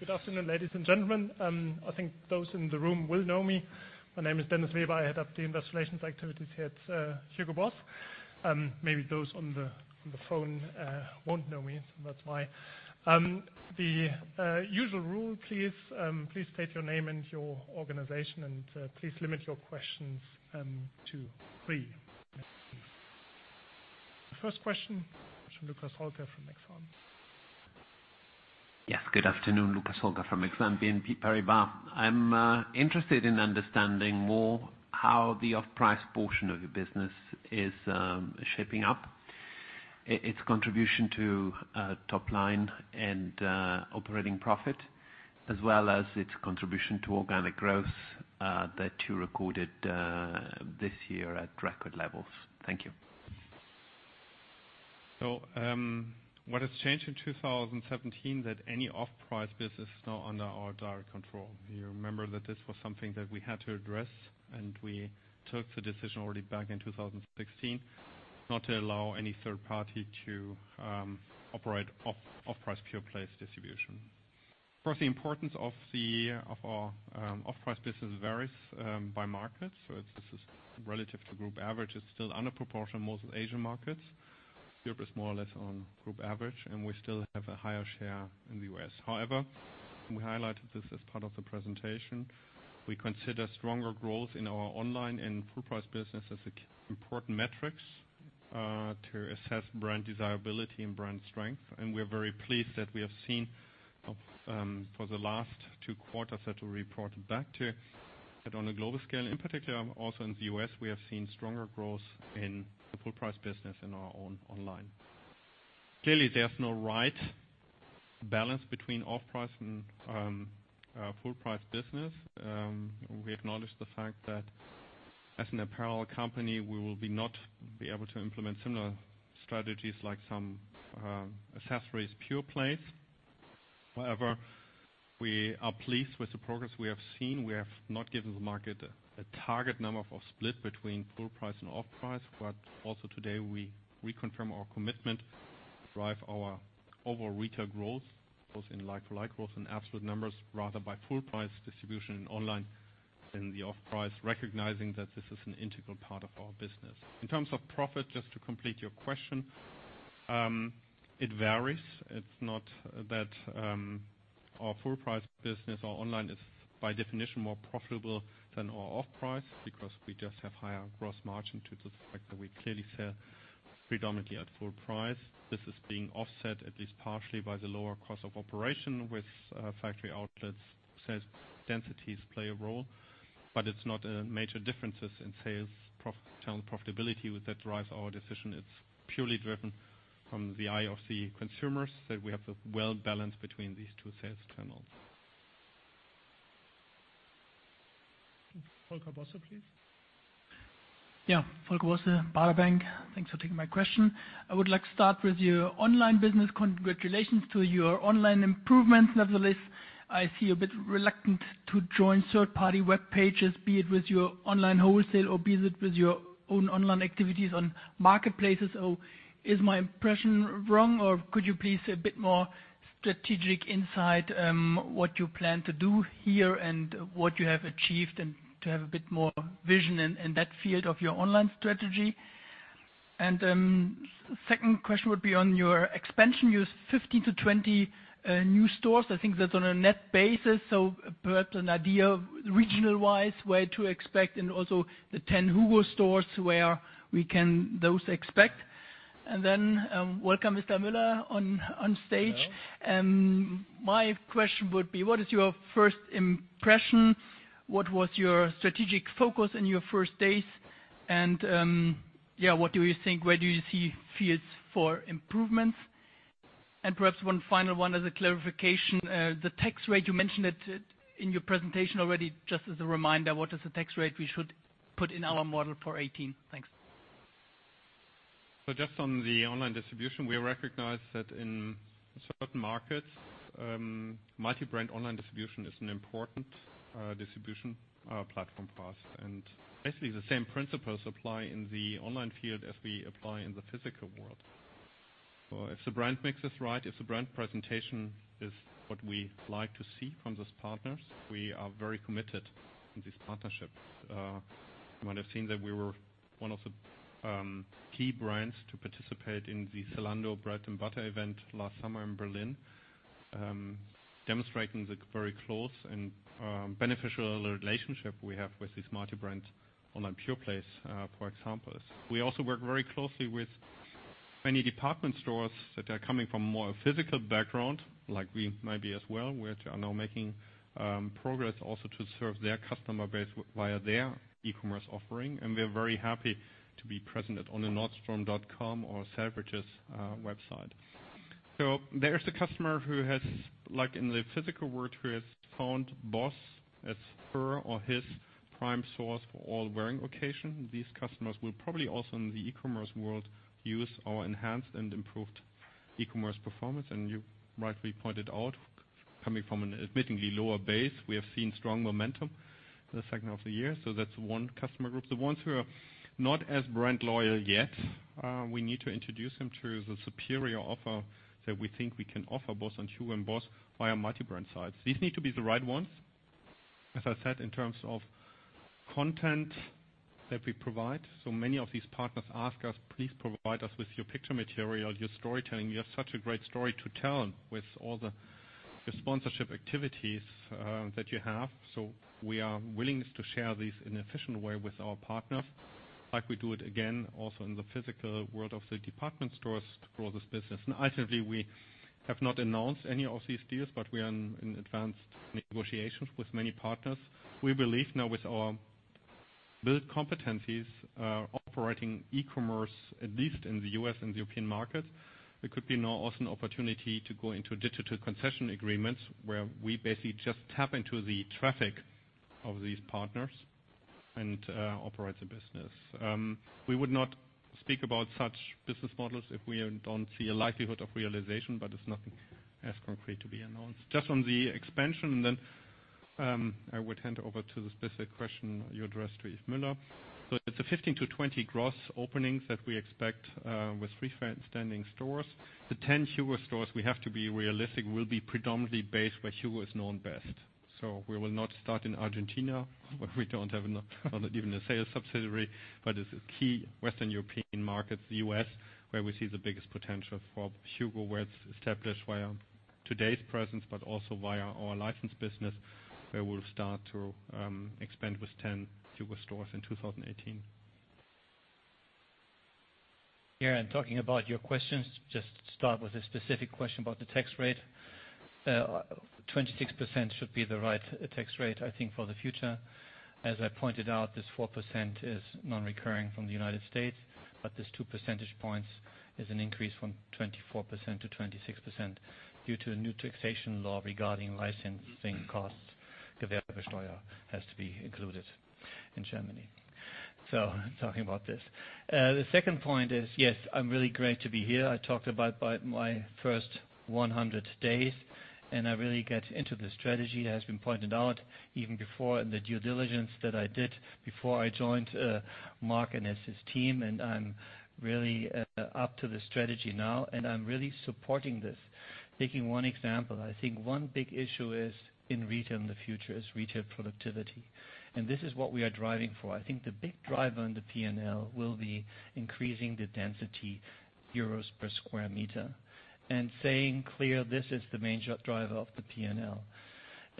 Good afternoon, ladies and gentlemen. I think those in the room will know me. My name is Dennis Weber. I head up the investor relations activities here at Hugo Boss. Maybe those on the phone won't know me, that's why. The usual rule please state your name and your organization, and please limit your questions to three. The first question, from Luca Solca from Exane. Yes, good afternoon. Luca Solca from Exane BNP Paribas. I'm interested in understanding more how the off-price portion of your business is shaping up. Its contribution to top line and operating profit, as well as its contribution to organic growth, that you recorded this year at record levels. Thank you. What has changed in 2017 that any off-price business is now under our direct control. You remember that this was something that we had to address, and we took the decision already back in 2016, not to allow any third party to operate off-price pure plays distribution. Of course, the importance of our off-price business varies by market. This is relative to group average. It's still under proportion in most Asian markets. Europe is more or less on group average, and we still have a higher share in the U.S. However, we highlighted this as part of the presentation. We consider stronger growth in our online and full price business as important metrics, to assess brand desirability and brand strength. We are very pleased that we have seen, for the last two quarters that we reported back to, that on a global scale, in particular also in the U.S., we have seen stronger growth in the full price business in our own online. Clearly, there's no right balance between off-price and full price business. We acknowledge the fact that as an apparel company, we will not be able to implement similar strategies like some accessories pure plays. However, we are pleased with the progress we have seen. We have not given the market a target number for split between full price and off price. Also today we reconfirm our commitment, drive our overall retail growth, both in like-for-like growth and absolute numbers rather by full price distribution and online in the off-price, recognizing that this is an integral part of our business. In terms of profit, just to complete your question. It varies. It's not that our full price business or online is by definition more profitable than our off price, because we just have higher gross margin due to the fact that we clearly sell predominantly at full price. This is being offset, at least partially, by the lower cost of operation with factory outlets. Sales densities play a role, but it's not a major difference in sales channel profitability that drives our decision. It's purely driven from the eye of the consumers, that we have to well balance between these two sales channels. Volker Bosse, please. Yeah. Volker Bosse, Baader Bank. Thanks for taking my question. I would like to start with your online business. Congratulations to your online improvements. Nevertheless, I see you're a bit reluctant to join third-party web pages, be it with your online wholesale or be it with your own online activities on marketplaces. Is my impression wrong, or could you please a bit more strategic insight, what you plan to do here and what you have achieved and to have a bit more vision in that field of your online strategy? Second question would be on your expansion. You have 15-20 new stores. I think that's on a net basis. Perhaps an idea regional-wise where to expect and also the 10 HUGO stores, where we can those expect. Welcome, Mr. Müller, on stage. Hello. My question would be, what is your first impression? What was your strategic focus in your first days? What do you think, where do you see fields for improvements? Perhaps one final one as a clarification. The tax rate, you mentioned it in your presentation already. Just as a reminder, what is the tax rate we should put in our model for 2018? Thanks. Just on the online distribution, we recognize that in certain markets, multi-brand online distribution is an important distribution platform for us. Basically the same principles apply in the online field as we apply in the physical world. If the brand mix is right, if the brand presentation is what we like to see from those partners, we are very committed in these partnerships. You might have seen that we were one of the key brands to participate in the Zalando Bread & Butter event last summer in Berlin. Demonstrating the very close and beneficial relationship we have with these multi-brand online pure plays, for example. We also work very closely with many department stores that are coming from more a physical background, like we might be as well, which are now making progress also to serve their customer base via their e-commerce offering. We are very happy to be present on the nordstrom.com or Selfridges website. There is a customer who has, like in the physical world, who has found BOSS as her or his prime source for all wearing occasion. These customers will probably also in the e-commerce world use our enhanced and improved e-commerce performance. You rightly pointed out, coming from an admittedly lower base, we have seen strong momentum the second half of the year. That's one customer group. The ones who are not as brand loyal yet, we need to introduce them to the superior offer that we think we can offer both on HUGO and BOSS via multi-brand sites. These need to be the right ones, as I said, in terms of content that we provide. Many of these partners ask us, "Please provide us with your picture material, your storytelling. You have such a great story to tell with all the sponsorship activities that you have." We are willing to share this in efficient way with our partners. Like we do it again, also in the physical world of the department stores to grow this business. Actively, we have not announced any of these deals, but we are in advanced negotiations with many partners. We believe now with our built competencies, operating e-commerce, at least in the U.S. and the European market, there could be now also an opportunity to go into digital concession agreements where we basically just tap into the traffic of these partners and operate the business. We would not speak about such business models if we don't see a likelihood of realization, but it's nothing as concrete to be announced. Just on the expansion, then I would hand over to the specific question you addressed to Yves Müller. It's a 15-20 gross openings that we expect with freestanding stores. The 10 HUGO stores, we have to be realistic, will be predominantly based where HUGO is known best. We will not start in Argentina where we don't have even a sales subsidiary. But it's a key Western European market, the U.S., where we see the biggest potential for HUGO, where it's established via today's presence, but also via our licensed business, where we'll start to expand with 10 HUGO stores in 2018. Talking about your questions, just start with a specific question about the tax rate. 26% should be the right tax rate, I think, for the future. As I pointed out, this 4% is non-recurring from the United States, but this two percentage points is an increase from 24%-26% due to a new taxation law regarding licensing costs. Gewerbesteuer has to be included in Germany. Talking about this. The second point is, yes, I'm really great to be here. I talked about my first 100 days, and I really get into the strategy. It has been pointed out even before in the due diligence that I did before I joined Mark and his team, and I'm really up to the strategy now and I'm really supporting this. Taking one example, I think one big issue is in retail in the future is retail productivity. This is what we are driving for. I think the big driver in the P&L will be increasing the density EUR per square meter and saying clear, this is the main job driver of the P&L.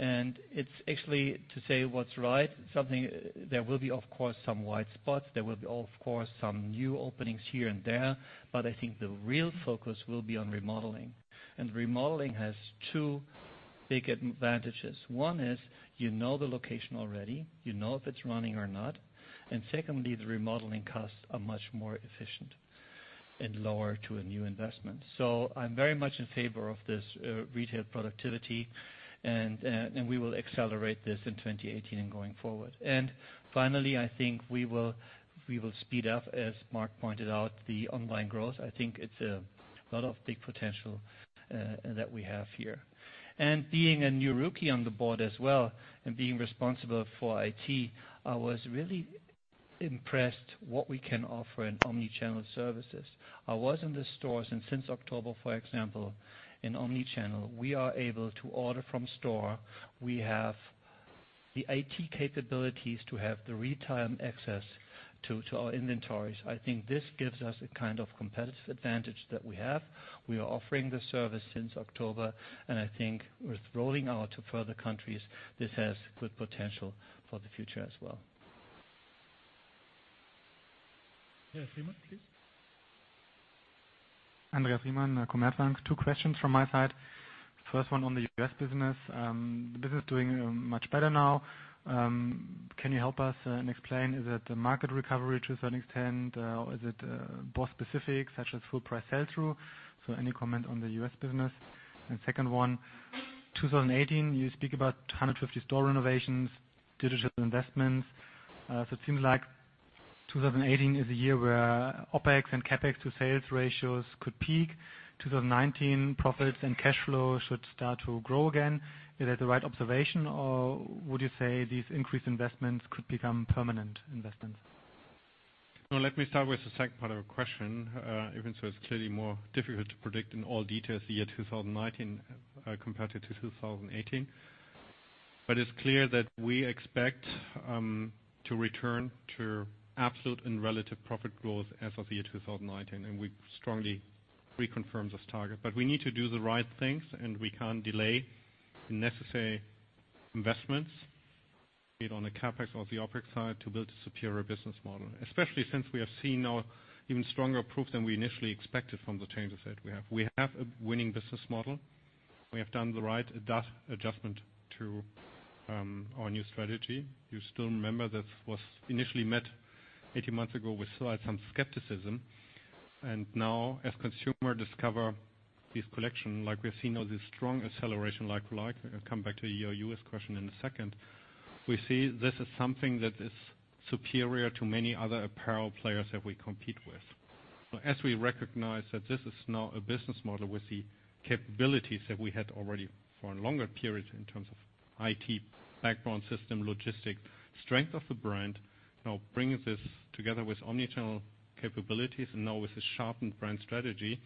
It's actually to say what's right, there will be of course some wide spots. There will be, of course, some new openings here and there. But I think the real focus will be on remodeling. Remodeling has two big advantages. One is you know the location already. You know if it's running or not. Secondly, the remodeling costs are much more efficient and lower to a new investment. I'm very much in favor of this retail productivity, and we will accelerate this in 2018 and going forward. Finally, I think we will speed up, as Mark pointed out, the online growth. I think it's a lot of big potential that we have here. Being a new rookie on the board as well and being responsible for IT, I was really impressed what we can offer in omni-channel services. I was in the stores and since October, for example, in omni-channel. We are able to order from store. We have the IT capabilities to have the real-time access to our inventories. I think this gives us a kind of competitive advantage that we have. We are offering the service since October, and I think with rolling out to further countries, this has good potential for the future as well. Yeah. Riemann, please. Andreas Riemann, Commerzbank. Two questions from my side. First one on the U.S. business. The business doing much better now. Can you help us and explain, is it the market recovery to a certain extent? Or is it BOSS specific, such as full price sell-through? Any comment on the U.S. business? Second one, 2018, you speak about 150 store renovations. Digital investments. It seems like 2018 is a year where OpEx and CapEx to sales ratios could peak. 2019 profits and cash flow should start to grow again. Is that the right observation, or would you say these increased investments could become permanent investments? No, let me start with the second part of your question. Even so, it's clearly more difficult to predict in all details the year 2019 compared to 2018. It's clear that we expect to return to absolute and relative profit growth as of the year 2019, and we strongly reconfirm this target. We need to do the right things, and we can't delay the necessary investments, be it on the CapEx or the OpEx side, to build a superior business model. Especially since we have seen now even stronger proof than we initially expected from the changes that we have. We have a winning business model. We have done the right adjustment to our new strategy. You still remember that was initially met 18 months ago with still some skepticism. Now, as consumers discover this collection, we have seen all this strong acceleration, I will come back to your U.S. question in a second. We see this as something that is superior to many other apparel players that we compete with. As we recognize that this is now a business model with the capabilities that we had already for a longer period in terms of IT background system, logistics strength of the brand. Bringing this together with omni-channel capabilities and now with a sharpened brand strategy.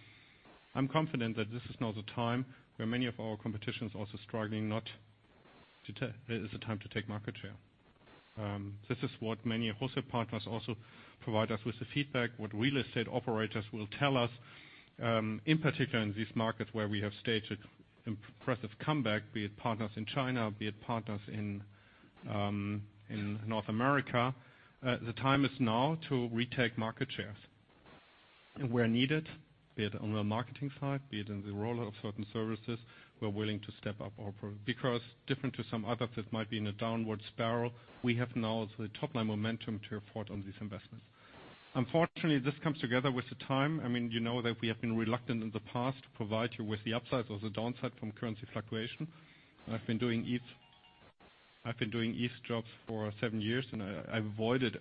I am confident that this is now the time where many of our competition is also struggling. It is the time to take market share. This is what many wholesale partners also provide us with the feedback, what real estate operators will tell us. In particular, in these markets where we have staged impressive comeback, be it partners in China, be it partners in North America. The time is now to retake market shares. Where needed, be it on the marketing side, be it in the role of certain services, we are willing to step up. Different to some others that might be in a downward spiral, we have now the top-line momentum to afford on these investments. Unfortunately, this comes together with the time. You know that we have been reluctant in the past to provide you with the upside or the downside from currency fluctuation. I have been doing Yves' job for seven years, and I avoided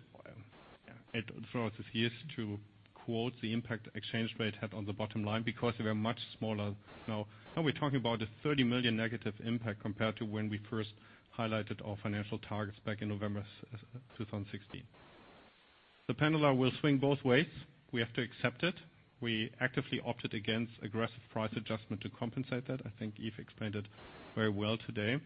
it throughout these years to quote the impact exchange rate had on the bottom line because they were much smaller. We are talking about a 30 million negative impact compared to when we first highlighted our financial targets back in November 2016. The pendulum will swing both ways. We have to accept it. We actively opted against aggressive price adjustment to compensate that. I think Yves explained it very well today.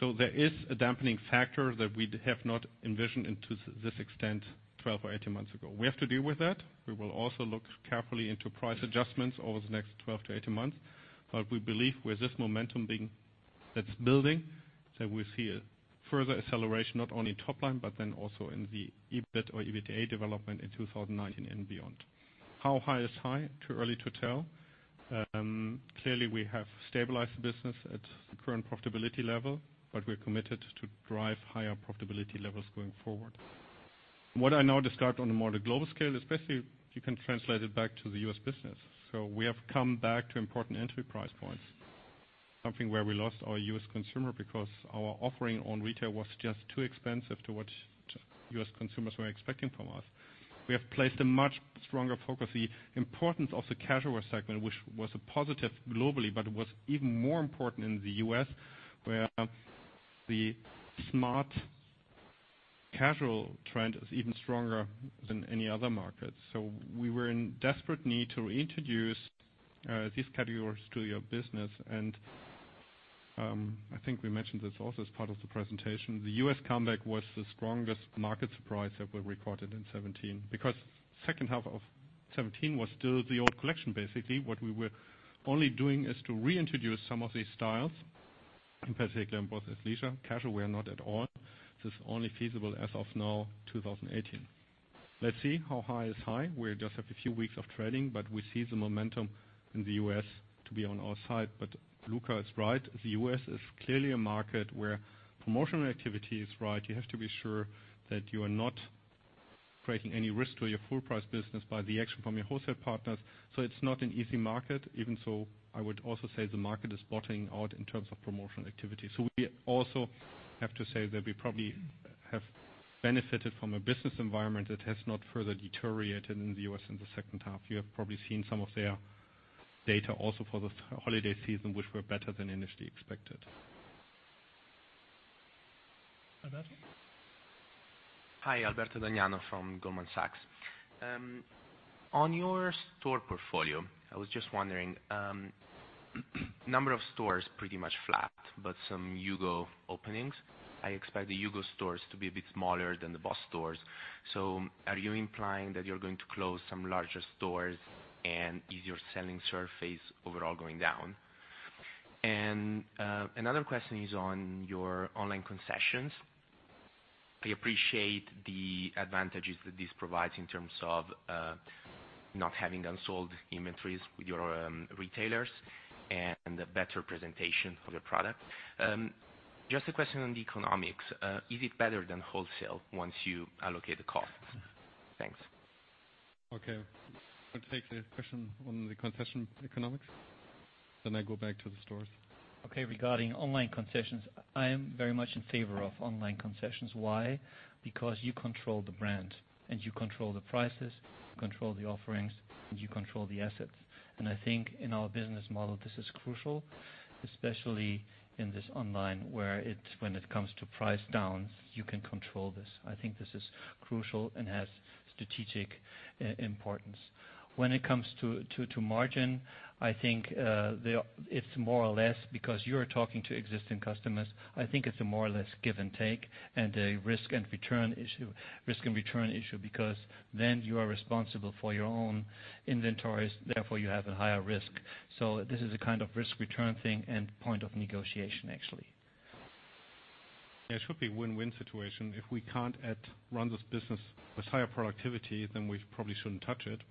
There is a dampening factor that we have not envisioned into this extent 12 or 18 months ago. We have to deal with that. We will also look carefully into price adjustments over the next 12 to 18 months. We believe with this momentum that is building, that we will see a further acceleration, not only top line, but then also in the EBIT or EBITDA development in 2019 and beyond. How high is high? Too early to tell. Clearly, we have stabilized the business at the current profitability level. We are committed to drive higher profitability levels going forward. What I now described on a more global scale, especially you can translate it back to the U.S. business. We have come back to important entry price points. Something where we lost our U.S. consumer because our offering on retail was just too expensive to what U.S. consumers were expecting from us. We have placed a much stronger focus the importance of the casual wear segment, which was a positive globally, but was even more important in the U.S., where the smart casual trend is even stronger than any other market. We were in desperate need to reintroduce these categories to your business and I think we mentioned this also as part of the presentation. The U.S. comeback was the strongest market surprise that we recorded in 2017 because second half of 2017 was still the old collection, basically. What we were only doing is to reintroduce some of these styles, in particular in BOSS Athleisure. Casualwear, not at all. This is only feasible as of now, 2018. Let's see how high is high. We just have a few weeks of trading, but we see the momentum in the U.S. to be on our side. Luca is right. The U.S. is clearly a market where promotional activity is right. You have to be sure that you are not creating any risk to your full price business by the action from your wholesale partners. It is not an easy market. Even so, I would also say the market is bottoming out in terms of promotional activity. We also have to say that we probably have benefited from a business environment that has not further deteriorated in the U.S. in the second half. You have probably seen some of their data also for the holiday season, which were better than initially expected. Alberto. Hi. Alberto D'Agnano from Goldman Sachs. On your store portfolio, I was just wondering. Number of stores pretty much flat, but some HUGO openings. I expect the HUGO stores to be a bit smaller than the BOSS stores. Are you implying that you are going to close some larger stores, and is your selling surface overall going down? Another question is on your online concessions. I appreciate the advantages that this provides in terms of not having unsold inventories with your retailers and a better presentation for your product. Just a question on the economics. Is it better than wholesale once you allocate the costs? Thanks. Okay. I will take the question on the concession economics, then I go back to the stores. Okay. Regarding online concessions, I am very much in favor of online concessions. Why? Because you control the brand and you control the prices, you control the offerings, and you control the assets. I think in our business model, this is crucial, especially in this online where when it comes to price downs, you can control this. I think this is crucial and has strategic importance. When it comes to margin, I think, it's more or less because you're talking to existing customers. I think it's a more or less give and take, and a risk and return issue because then you are responsible for your own inventories, therefore you have a higher risk. This is a kind of risk return thing and point of negotiation, actually. Yeah. It should be a win-win situation. If we can't run this business with higher productivity, then we probably shouldn't touch it.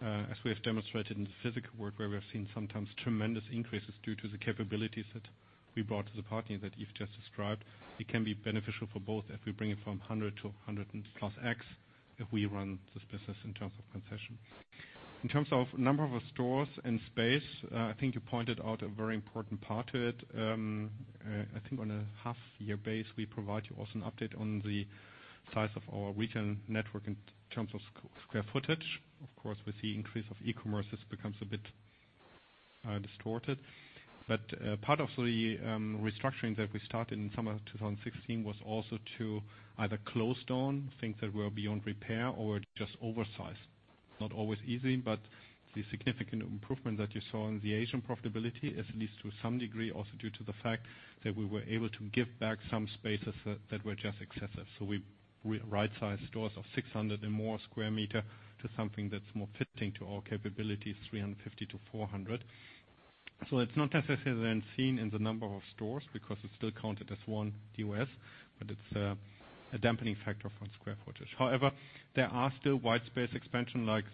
As we have demonstrated in the physical world, where we have seen sometimes tremendous increases due to the capabilities that we brought to the party that you've just described, it can be beneficial for both if we bring it from 100 to 100 plus X, if we run this business in terms of concession. In terms of number of stores and space, I think you pointed out a very important part to it. I think on a half-year base, we provide you also an update on the size of our retail network in terms of square footage. Of course, with the increase of e-commerce, this becomes a bit distorted. Part of the restructuring that we started in summer 2016 was also to either close down things that were beyond repair or were just oversized. Not always easy, the significant improvement that you saw in the Asian profitability is at least to some degree, also due to the fact that we were able to give back some spaces that were just excessive. We right-sized stores of 600 and more sq m to something that's more fitting to our capabilities, 350 to 400. It's not necessarily then seen in the number of stores because it's still counted as one U.S., but it's a dampening factor from square footage. However, there are still white space expansion like,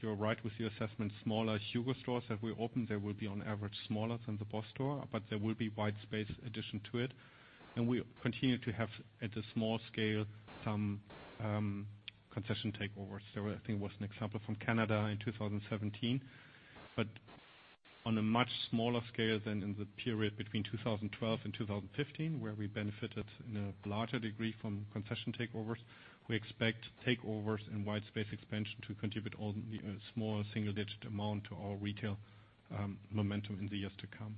you're right with your assessment, smaller HUGO stores that we opened, they will be on average smaller than the BOSS store. There will be white space addition to it. We continue to have, at a small scale, some concession takeovers. There, I think, was an example from Canada in 2017. On a much smaller scale than in the period between 2012 and 2015, where we benefited in a larger degree from concession takeovers. We expect takeovers and white space expansion to contribute only a small single-digit amount to our retail momentum in the years to come.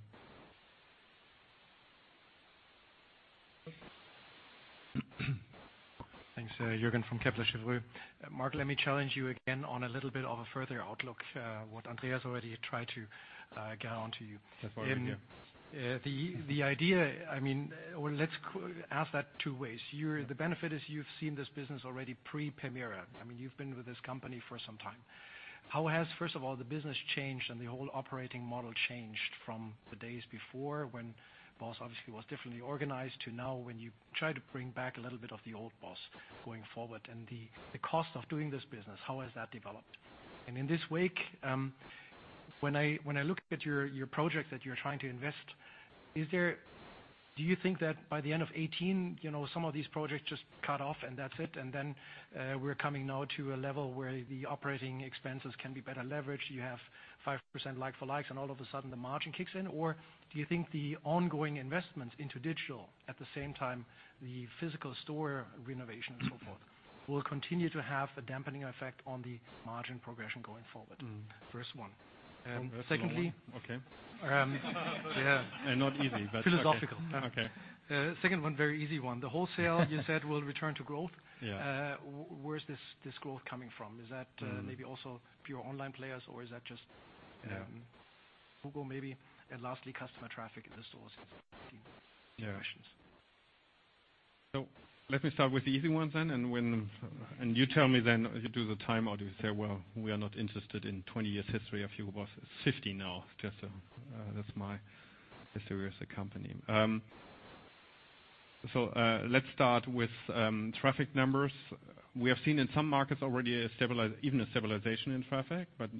Thanks. Jürgen from Kepler Cheuvreux. Mark, let me challenge you again on a little bit of a further outlook, what Andreas already tried to get onto you. That's why we're here. The idea, let's ask that two ways. The benefit is you've seen this business already pre-Permira. You've been with this company for some time. How has, first of all, the business changed and the whole operating model changed from the days before when BOSS obviously was differently organized to now when you try to bring back a little bit of the old BOSS going forward. The cost of doing this business, how has that developed? In this wake, when I look at your project that you're trying to invest, do you think that by the end of 2018, some of these projects just cut off and that's it, and then we're coming now to a level where the operating expenses can be better leveraged. You have 5% like-for-likes and all of a sudden the margin kicks in? Do you think the ongoing investments into digital at the same time the physical store renovation and so forth will continue to have a dampening effect on the margin progression going forward? First one. That's the first one. Okay. Secondly- Not easy, okay. Philosophical. Okay. Second one, very easy one. The wholesale you said will return to growth. Yeah. Where is this growth coming from? Is that maybe also pure online players or is that just Google maybe? Lastly, customer traffic in the stores. two questions. Let me start with the easy ones then, and you tell me then as you do the time, or do you say, "Well, we are not interested in 20 years history of Hugo Boss." 50 now, that's my history with the company. Let's start with traffic numbers. We have seen in some markets already even a stabilization in traffic. But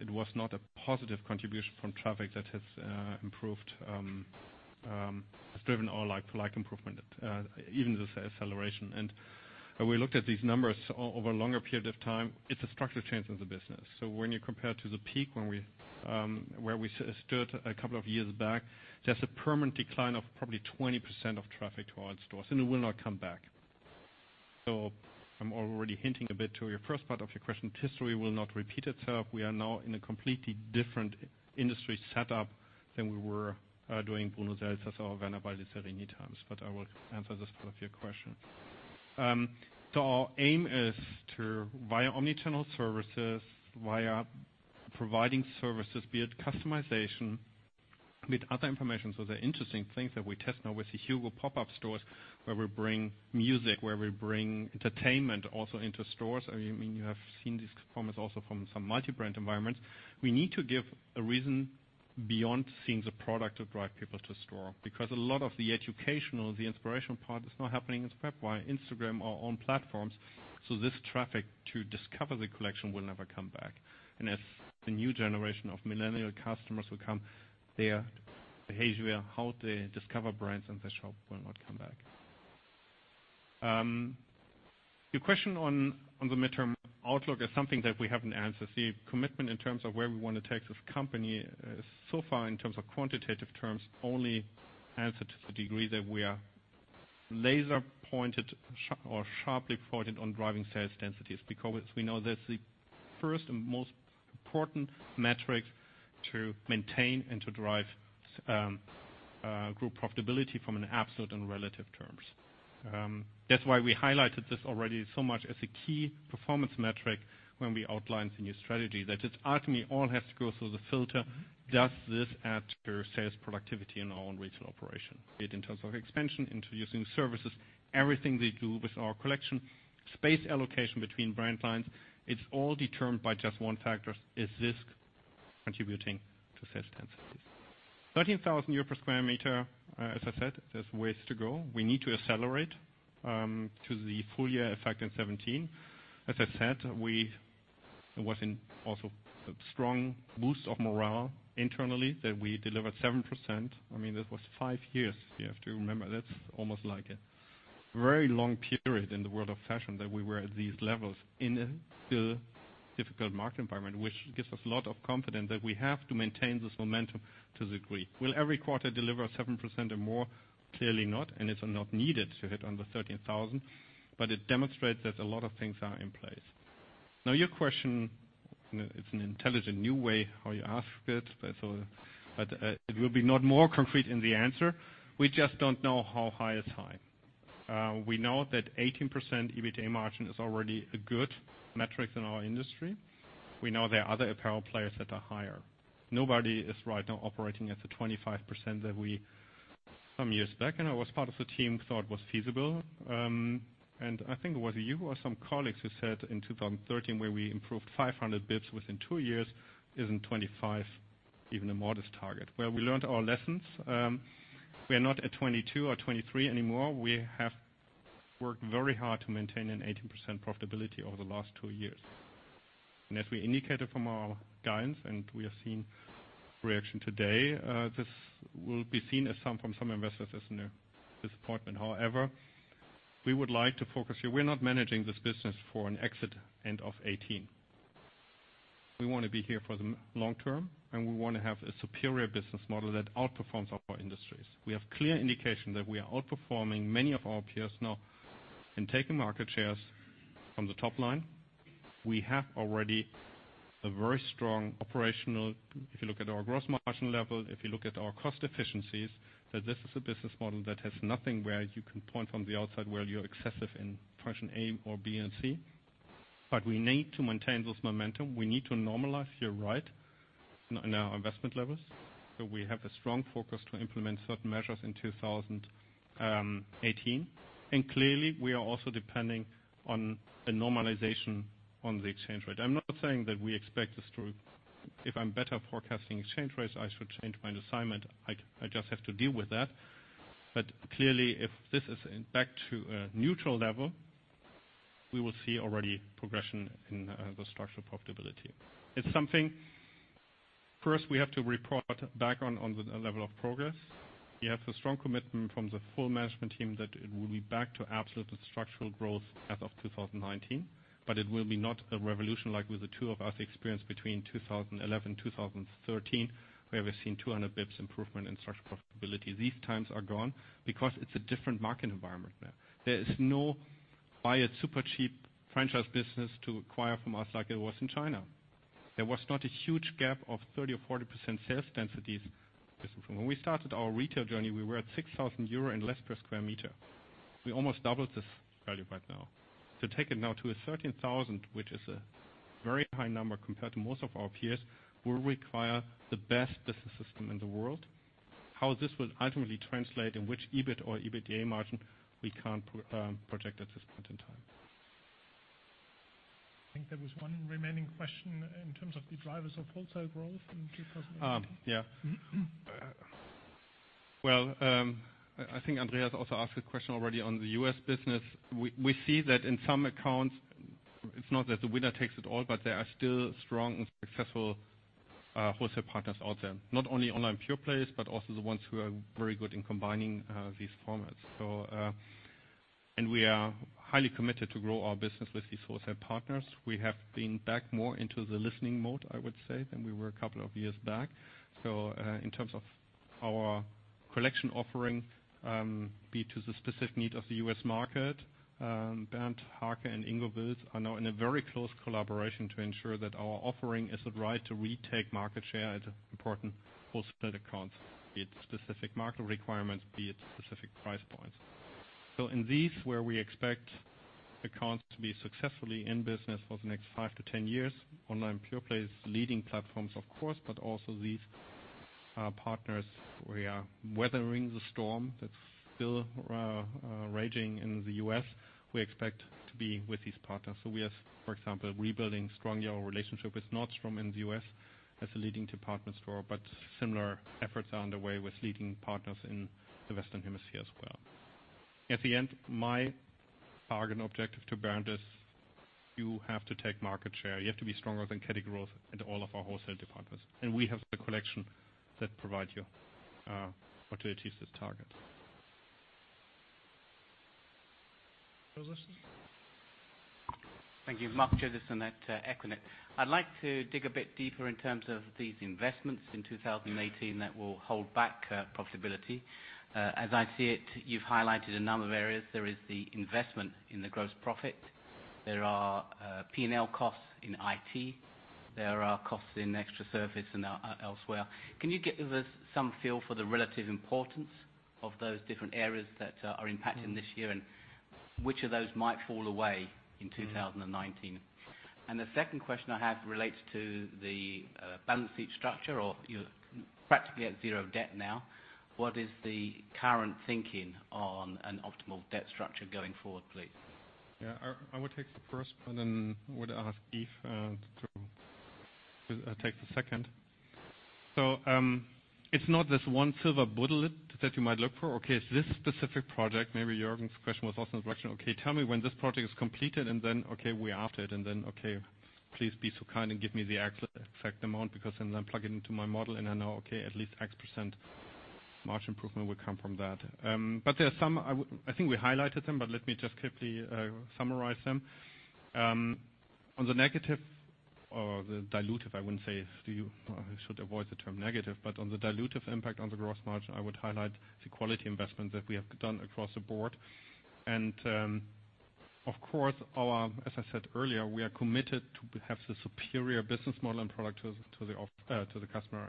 it was not a positive contribution from traffic that has driven our like-for-like improvement, even the acceleration. We looked at these numbers over a longer period of time. It's a structural change in the business. When you compare to the peak where we stood a couple of years back, there's a permanent decline of probably 20% of traffic to our stores, and it will not come back. I'm already hinting a bit to your first part of your question. History will not repeat itself. I will answer the second of your question. Our aim is to, via omni-channel services, via providing services, be it customization with other information. The interesting things that we test now with the HUGO pop-up stores, where we bring music, where we bring entertainment also into stores. You have seen these comments also from some multi-brand environments. We need to give a reason beyond seeing the product to drive people to store. Because a lot of the educational, the inspiration part, is now happening in Snapchat, via Instagram, our own platforms. This traffic to discover the collection will never come back. As the new generation of millennial customers who come, their behavior, how they discover brands in the shop will not come back. Your question on the midterm outlook is something that we haven't answered. The commitment in terms of where we want to take this company is, so far, in terms of quantitative terms, only answered to the degree that we are laser pointed or sharply pointed on driving sales densities. That's why we highlighted this already so much as a key performance metric when we outlined the new strategy. That is, ultimately, all has to go through the filter, does this add to sales productivity in our own retail operation? Be it in terms of expansion, introducing services, everything they do with our collection. Space allocation between brand lines, it's all determined by just one factor. Is this contributing to sales density? 13,000 euros per square meter, as I said, there's ways to go. We need to accelerate, to the full year effect in 2017. As I said, there was also a strong boost of morale internally that we delivered 7%. This was five years, you have to remember. That's almost like a very long period in the world of fashion that we were at these levels in a still difficult market environment, which gives us a lot of confidence that we have to maintain this momentum to the degree. Will every quarter deliver 7% or more? Clearly not, and it's not needed to hit on the 13,000, but it demonstrates that a lot of things are in place. Now, your question, it's an intelligent new way how you ask it, but it will be not more concrete in the answer. We just don't know how high is high. We know that 18% EBITDA margin is already a good metric in our industry. We know there are other apparel players that are higher. Nobody is right now operating at the 25% that we, some years back, and I was part of the team, thought was feasible. I think it was you or some colleagues who said in 2013, where we improved 500 basis points within two years, isn't 25% even a modest target. Well, we learned our lessons. We are not at 22% or 23% anymore. We have worked very hard to maintain an 18% profitability over the last two years. As we indicated from our guidance, and we have seen reaction today, this will be seen as, from some investors, as a disappointment. However, we would like to focus here. We are not managing this business for an exit end of 2018. We want to be here for the long term. We want to have a superior business model that outperforms our industries. We have clear indication that we are outperforming many of our peers now and taking market shares from the top line. We have already a very strong. If you look at our gross margin level, if you look at our cost efficiencies, that this is a business model that has nothing where you can point from the outside where you're excessive in function A or B and C. We need to maintain this momentum. We need to normalize, you're right, in our investment levels. We have a strong focus to implement certain measures in 2018. Clearly, we are also depending on a normalization on the exchange rate. I'm not saying that we expect this to. If I'm better forecasting exchange rates, I should change my assignment. I just have to deal with that. Clearly, if this is back to a neutral level, we will see already progression in the structural profitability. It's something, first, we have to report back on the level of progress. We have the strong commitment from the full management team that it will be back to absolute structural growth as of 2019. It will be not a revolution like with the two of us experienced between 2011, 2013, where we've seen 200 basis points improvement in structural profitability. These times are gone because it's a different market environment now. There is no buy a super cheap franchise business to acquire from us like it was in China. There was not a huge gap of 30% or 40% sales densities. When we started our retail journey, we were at 6,000 euro and less per sq m. We almost doubled this value right now. To take it now to a 13,000, which is a very high number compared to most of our peers, will require the best business system in the world. How this will ultimately translate in which EBIT or EBITDA margin, we can't project at this point in time. I think there was one remaining question in terms of the drivers of wholesale growth in 2018. Yeah. Well, I think Andreas also asked a question already on the U.S. business. We see that in some accounts, it's not that the winner takes it all, but there are still strong and successful wholesale partners out there. Not only online pure players, but also the ones who are very good in combining these formats. We are highly committed to grow our business with these wholesale partners. We have been back more into the listening mode, I would say, than we were a couple of years back. In terms of our collection offering, be to the specific need of the U.S. market. Bernd Hake and Ingo Wilts are now in a very close collaboration to ensure that our offering is the right to retake market share at important wholesale accounts, be it specific market requirements, be it specific price points. In these, where we expect accounts to be successfully in business for the next five to 10 years, online pure plays, leading platforms, of course, but also these partners where we are weathering the storm that's still raging in the U.S. We expect to be with these partners. We are, for example, rebuilding strongly our relationship with Nordstrom in the U.S. as a leading department store, but similar efforts are underway with leading partners in the Western Hemisphere as well. At the end, my target objective to Bernd is You have to take market share. You have to be stronger than category growth in all of our wholesale departments, and we have the collection that provides you opportunities to target. Josefson. Thank you. Mark Josefson at equinet Bank. I'd like to dig a bit deeper in terms of these investments in 2018 that will hold back profitability. As I see it, you've highlighted a number of areas. There is the investment in the gross profit. There are P&L costs in IT. There are costs in extra service and elsewhere. Can you give us some feel for the relative importance of those different areas that are impacting this year, and which of those might fall away in 2019? The second question I have relates to the balance sheet structure or you're practically at zero debt now. What is the current thinking on an optimal debt structure going forward, please? I will take the first, would ask Yves to take the second. It's not this one silver bullet that you might look for or, okay, is this specific project. Maybe Jürgen's question was also in direction, okay, tell me when this project is completed, okay, we're after it, okay, please be so kind and give me the exact amount because then I plug it into my model and I know, okay, at least X% margin improvement will come from that. There are some, I think we highlighted them, let me just quickly summarize them. On the negative or the dilutive, I wouldn't say I should avoid the term negative, on the dilutive impact on the gross margin, I would highlight the quality investment that we have done across the board. Of course, as I said earlier, we are committed to have the superior business model and product to the customer.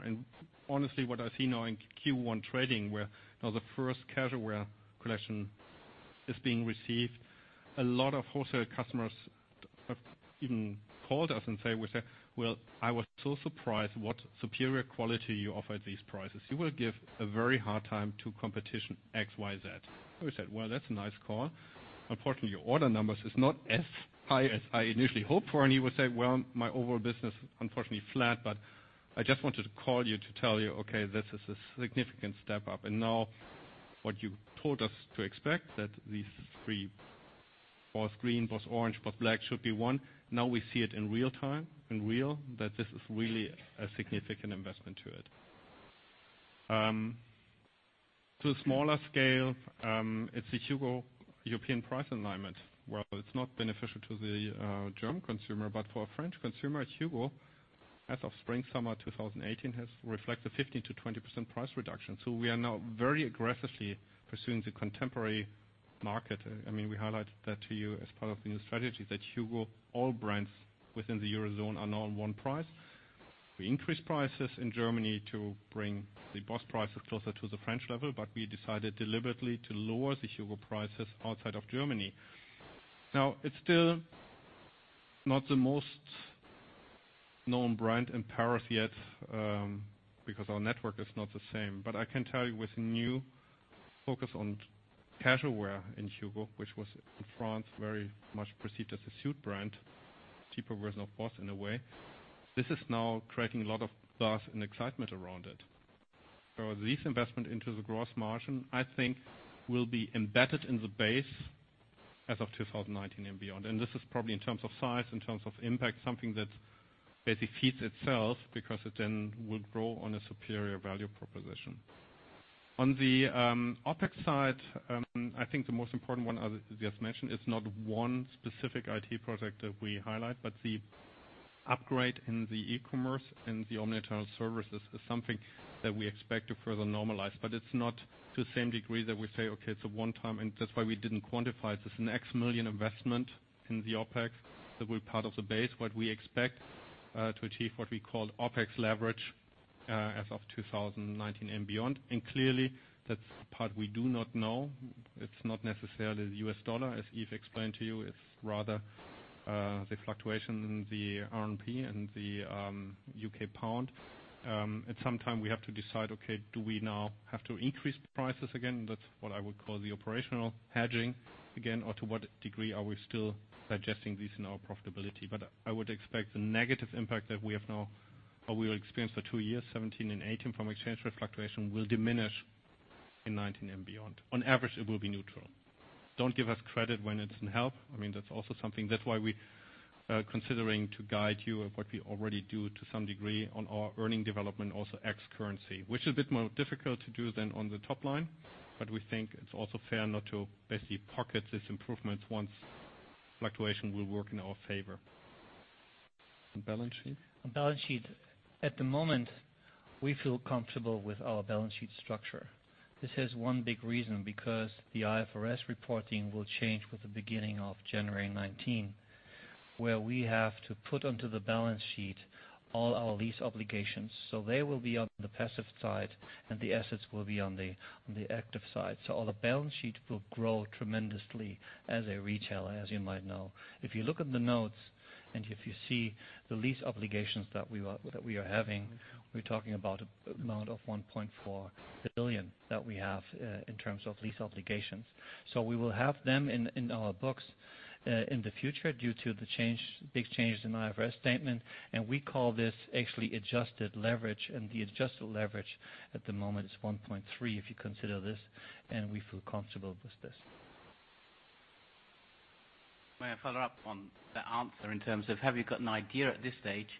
Honestly, what I see now in Q1 trading where now the first casual wear collection is being received, a lot of wholesale customers have even called us and say, "Well, I was so surprised what superior quality you offer at these prices. You will give a very hard time to competition XYZ." We said, "Well, that's a nice call. Unfortunately, your order numbers is not as high as I initially hoped for." He would say, "Well, my overall business, unfortunately, flat. I just wanted to call you to tell you, okay, this is a significant step up." Now what you told us to expect that these three, BOSS Green, BOSS Orange, BOSS Black should be one. We see it in real time, in real, that this is really a significant investment to it. To a smaller scale, it's the HUGO European price alignment. While it's not beneficial to the German consumer, for a French consumer at HUGO, as of spring, summer 2018 has reflected 15%-20% price reduction. We are now very aggressively pursuing the contemporary market. We highlighted that to you as part of the new strategy that HUGO, all brands within the Eurozone are now on one price. We increased prices in Germany to bring the BOSS prices closer to the French level, we decided deliberately to lower the HUGO prices outside of Germany. It's still not the most known brand in Paris yet, because our network is not the same. I can tell you with new focus on casual wear in HUGO, which was in France, very much perceived as a suit brand, cheaper version of BOSS in a way. This is now creating a lot of buzz and excitement around it. This investment into the gross margin, I think, will be embedded in the base as of 2019 and beyond. This is probably in terms of size, in terms of impact, something that basically feeds itself because it then will grow on a superior value proposition. On the OpEx side, I think the most important one, as just mentioned, it's not one specific IT project that we highlight, but the upgrade in the e-commerce and the omni-channel services is something that we expect to further normalize. It's not to the same degree that we say, "Okay, it's a one-time." That's why we didn't quantify it. It's an X million investment in the OpEx that were part of the base. We expect to achieve what we call OpEx leverage as of 2019 and beyond. Clearly, that's the part we do not know. It's not necessarily the US dollar, as Yves explained to you. It's rather the fluctuation in the RMB and the U.K. pound. At some time, we have to decide, okay, do we now have to increase prices again? That's what I would call the operational hedging again, or to what degree are we still digesting this in our profitability. I would expect the negative impact that we have now, or we will experience for 2 years 2017 and 2018 from exchange rate fluctuation will diminish in 2019 and beyond. On average, it will be neutral. Don't give us credit when it can help. That's also something. That's why we are considering to guide you of what we already do to some degree on our earning development, also ex-currency. It is a bit more difficult to do than on the top line, but we think it's also fair not to basically pocket this improvement once fluctuation will work in our favor. On balance sheet? On balance sheet. At the moment, we feel comfortable with our balance sheet structure. This has one big reason, because the IFRS reporting will change with the beginning of January 2019, where we have to put onto the balance sheet all our lease obligations. They will be on the passive side, and the assets will be on the active side. Our balance sheet will grow tremendously as a retailer, as you might know. If you look at the notes and if you see the lease obligations that we are having, we're talking about amount of 1.4 billion that we have in terms of lease obligations. We will have them in our books in the future due to the big change in IFRS statement, and we call this actually adjusted leverage. The adjusted leverage at the moment is 1.3 if you consider this, and we feel comfortable with this. May I follow up on that answer in terms of have you got an idea at this stage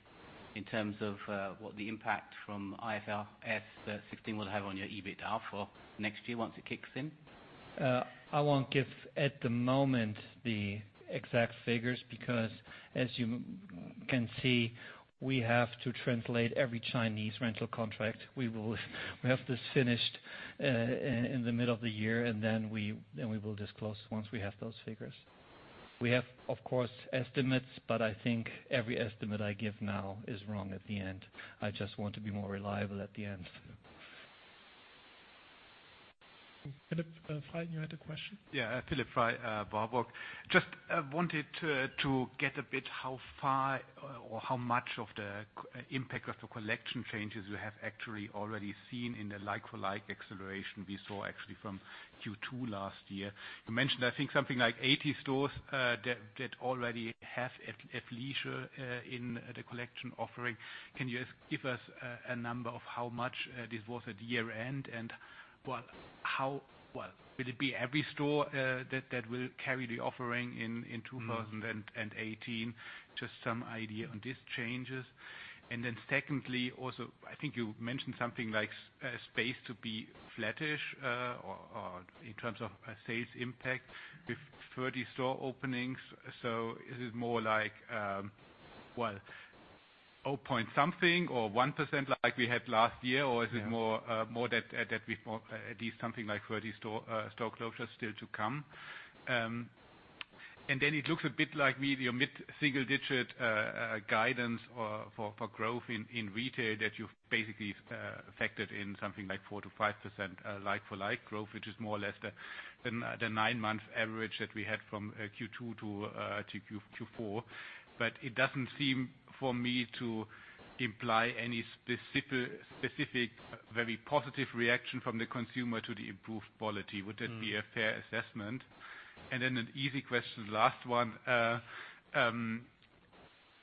in terms of what the impact from IFRS 16 will have on your EBITDA for next year once it kicks in? I won't give at the moment the exact figures because, as you can see, we have to translate every Chinese rental contract. We have this finished in the middle of the year. Then we will disclose once we have those figures. We have, of course, estimates, I think every estimate I give now is wrong at the end. I just want to be more reliable at the end. Philipp Frey, you had a question? Yeah. Philipp Frey, Baader Bank. Just wanted to get a bit how far or how much of the impact of the collection changes you have actually already seen in the like-for-like acceleration we saw actually from Q2 last year. You mentioned, I think something like 80 stores that already have athleisure in the collection offering. Can you give us a number of how much this was at year-end? Will it be every store that will carry the offering in 2018? Just some idea on these changes. Secondly, also, I think you mentioned something like space to be flattish or in terms of a sales impact with 30 store openings. Is it more like, well, 0 point something or 1% like we had last year? Or is it more that we thought at least something like 30 store closures still to come? It looks a bit like maybe a mid-single-digit guidance for growth in retail that you've basically factored in something like 4%-5% like-for-like growth, which is more or less the nine-month average that we had from Q2 to Q4. It doesn't seem, for me, to imply any specific, very positive reaction from the consumer to the improved quality. Would that be a fair assessment? An easy question, last one.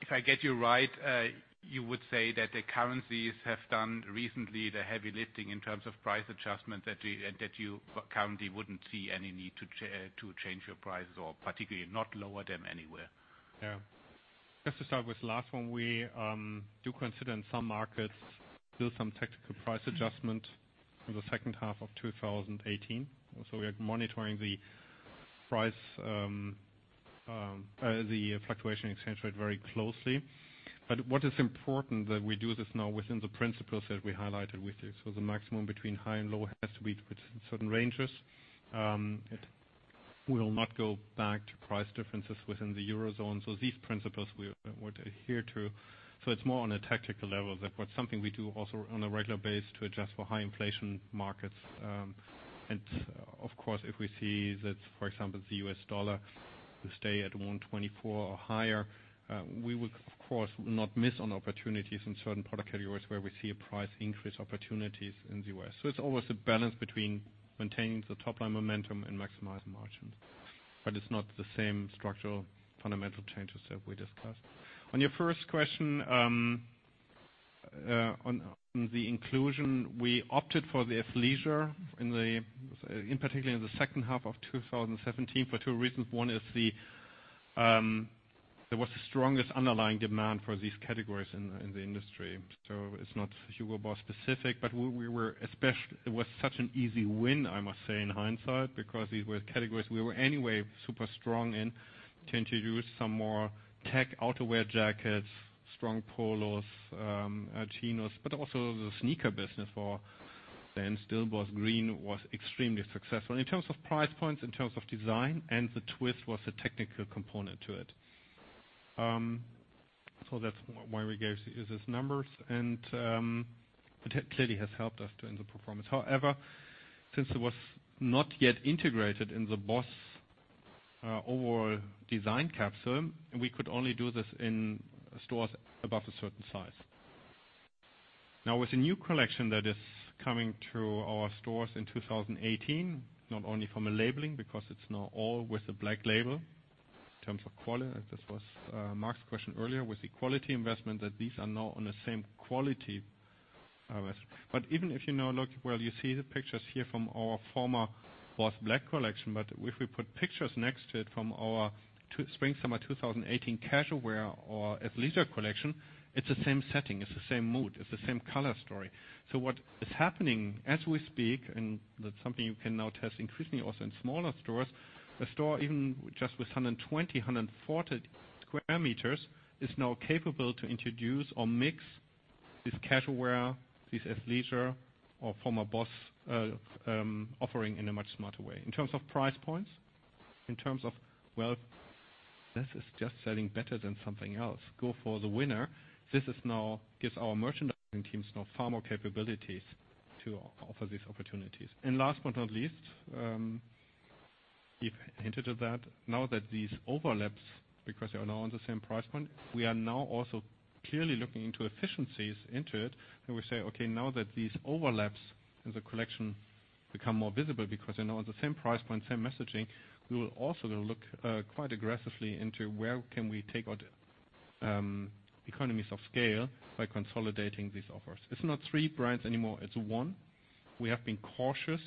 If I get you right, you would say that the currencies have done recently the heavy lifting in terms of price adjustment that you currently wouldn't see any need to change your prices or particularly not lower them anywhere. Yeah. Just to start with the last one, we do consider in some markets still some tactical price adjustment in the second half of 2018. We are monitoring the fluctuation in exchange rate very closely. What is important that we do this now within the principles that we highlighted with you. The maximum between high and low has to be within certain ranges. We will not go back to price differences within the Eurozone. These principles we would adhere to. It's more on a tactical level that what's something we do also on a regular basis to adjust for high inflation markets. Of course, if we see that, for example, the U.S. dollar will stay at 124 or higher, we would, of course, not miss on opportunities in certain product categories where we see a price increase opportunities in the U.S. It's always a balance between maintaining the top-line momentum and maximizing margins. It's not the same structural fundamental changes that we discussed. On your first question, on the inclusion, we opted for the athleisure, in particular in the second half of 2017, for two reasons. One is there was the strongest underlying demand for these categories in the industry. It's not Hugo Boss specific, but it was such an easy win, I must say, in hindsight, because these were categories we were anyway super strong in to introduce some more tech outerwear jackets, strong polos, chinos, but also the sneaker business for then Still BOSS Green was extremely successful. In terms of price points, in terms of design, and the twist was the technical component to it. That's why we gave these numbers, and it clearly has helped us in the performance. However, since it was not yet integrated in the BOSS overall design capsule, we could only do this in stores above a certain size. Now, with the new collection that is coming to our stores in 2018, not only from a labeling because it's now all with the BOSS Black in terms of quality. This was Mark's question earlier with the quality investment that these are now on the same quality. Even if you now look, well, you see the pictures here from our former BOSS Black collection, but if we put pictures next to it from our Spring/Summer 2018 casual wear or athleisure collection, it's the same setting. It's the same mood. It's the same color story. What is happening as we speak, that's something you can now test increasingly also in smaller stores, a store even just with 120, 140 sq m is now capable to introduce or mix this casual wear, this athleisure or former BOSS offering in a much smarter way. In terms of price points, in terms of, well, this is just selling better than something else. Go for the winner. This now gives our merchandising teams far more capabilities to offer these opportunities. Last but not least, you've hinted at that. Now that these overlaps, because they are now on the same price point, we are now also clearly looking into efficiencies into it. We say, okay, now that these overlaps in the collection become more visible because they're now on the same price point, same messaging, we will also look quite aggressively into where can we take out economies of scale by consolidating these offers. It's not three brands anymore, it's one. We have been cautious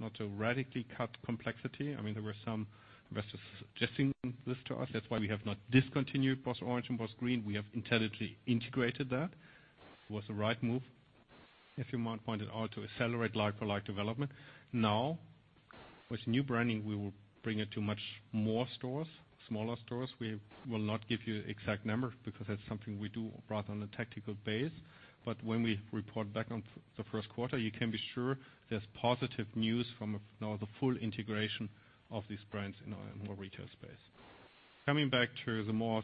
not to radically cut complexity. There were some investors suggesting this to us. That's why we have not discontinued BOSS Orange and BOSS Green. We have intelligently integrated that. It was the right move, if you might point it out, to accelerate like-for-like development. With new branding, we will bring it to many more stores, smaller stores. We will not give you exact numbers because that's something we do rather on a tactical basis. When we report back on the first quarter, you can be sure there's positive news from now the full integration of these brands in our more retail space. Coming back to the more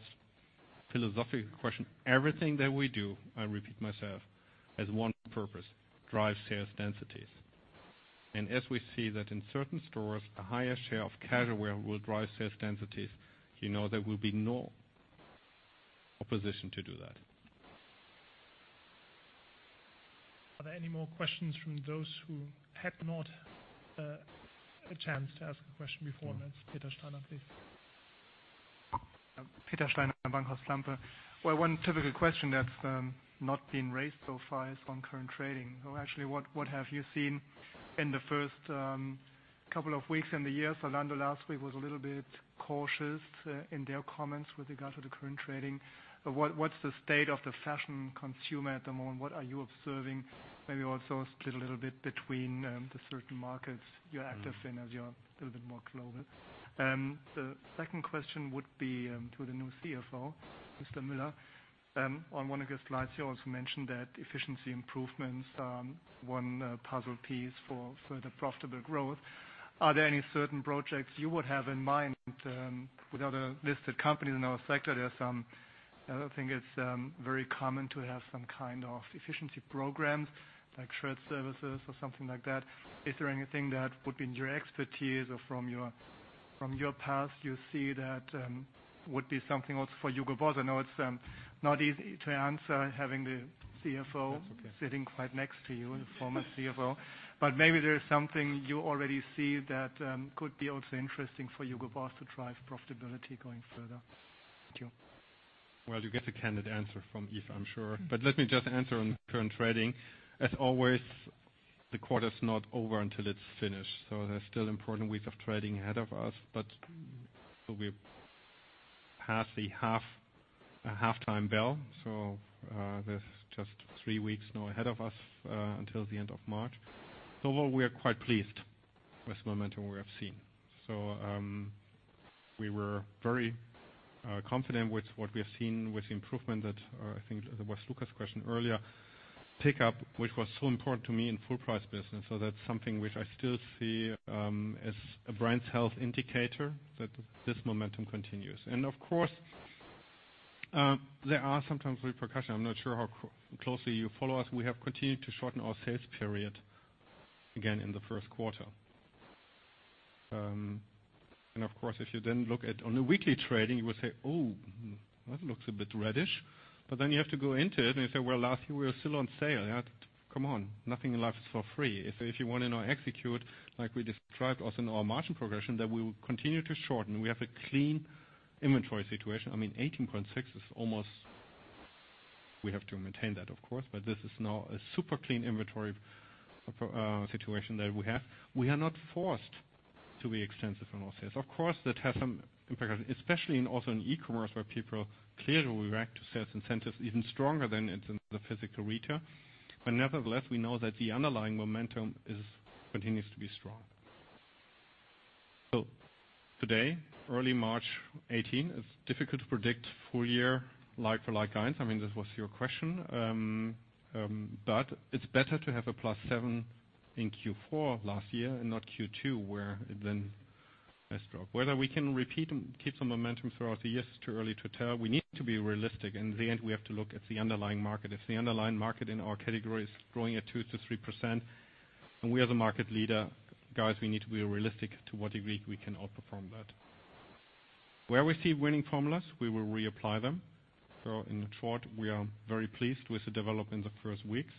philosophical question, everything that we do, I repeat myself, has one purpose: drive sales densities. As we see that in certain stores, a higher share of casual wear will drive sales densities. There will be no opposition to do that. Are there any more questions from those who had not a chance to ask a question before? That's Peter Steiner, please. Peter Steiner, Bankhaus Lampe. One typical question that's not been raised so far is on current trading. Actually, what have you seen in the first couple of weeks in the year? Zalando last week was a little bit cautious in their comments with regard to the current trading. What's the state of the fashion consumer at the moment? What are you observing? Maybe also split a little bit between the certain markets you're active in as you are a little bit more global. The second question would be to the new CFO, Mr. Müller. On one of your slides, you also mentioned that efficiency improvements are one puzzle piece for further profitable growth. Are there any certain projects you would have in mind? With other listed companies in our sector, I think it's very common to have some kind of efficiency programs like shared services or something like that. Is there anything that would be in your expertise or from your past you see that would be something also for Hugo Boss? I know it's not easy to answer having the CFO- That's okay sitting right next to you, the former CFO. Maybe there is something you already see that could be also interesting for Hugo Boss to drive profitability going further. Thank you. You get a candid answer from Yves, I'm sure. Let me just answer on current trading. As always, the quarter's not over until it's finished, there's still important weeks of trading ahead of us. We have the halftime bell, there's just three weeks now ahead of us until the end of March. Overall, we are quite pleased with the momentum we have seen. We were very confident with what we have seen with the improvement that, I think that was Luca's question earlier, pick up, which was so important to me in full price business. That's something which I still see as a brand health indicator that this momentum continues. Of course, there are sometimes repercussions. I'm not sure how closely you follow us. We have continued to shorten our sales period again in the first quarter. Of course, if you then look at on a weekly trading, you would say, "Oh, that looks a bit reddish." You have to go into it and you say, "Last year we were still on sale." Come on, nothing in life is for free. If you want to now execute, like we described also in our margin progression, that we will continue to shorten. We have a clean inventory situation. 18.6 is almost. We have to maintain that, of course, but this is now a super clean inventory situation that we have. We are not forced to be extensive in our sales. Of course, that has some impact, especially in also in e-commerce, where people clearly will react to sales incentives even stronger than in the physical retail. We know that the underlying momentum continues to be strong. Today, early March 18, it's difficult to predict full year like-for-like guidance. This was your question. It's better to have a +7% in Q4 last year and not Q2, where it then has dropped. Whether we can repeat and keep the momentum throughout the year is too early to tell. We need to be realistic. In the end, we have to look at the underlying market. If the underlying market in our category is growing at 2%-3% and we are the market leader, guys, we need to be realistic to what degree we can outperform that. Where we see winning formulas, we will reapply them. In short, we are very pleased with the development the first weeks,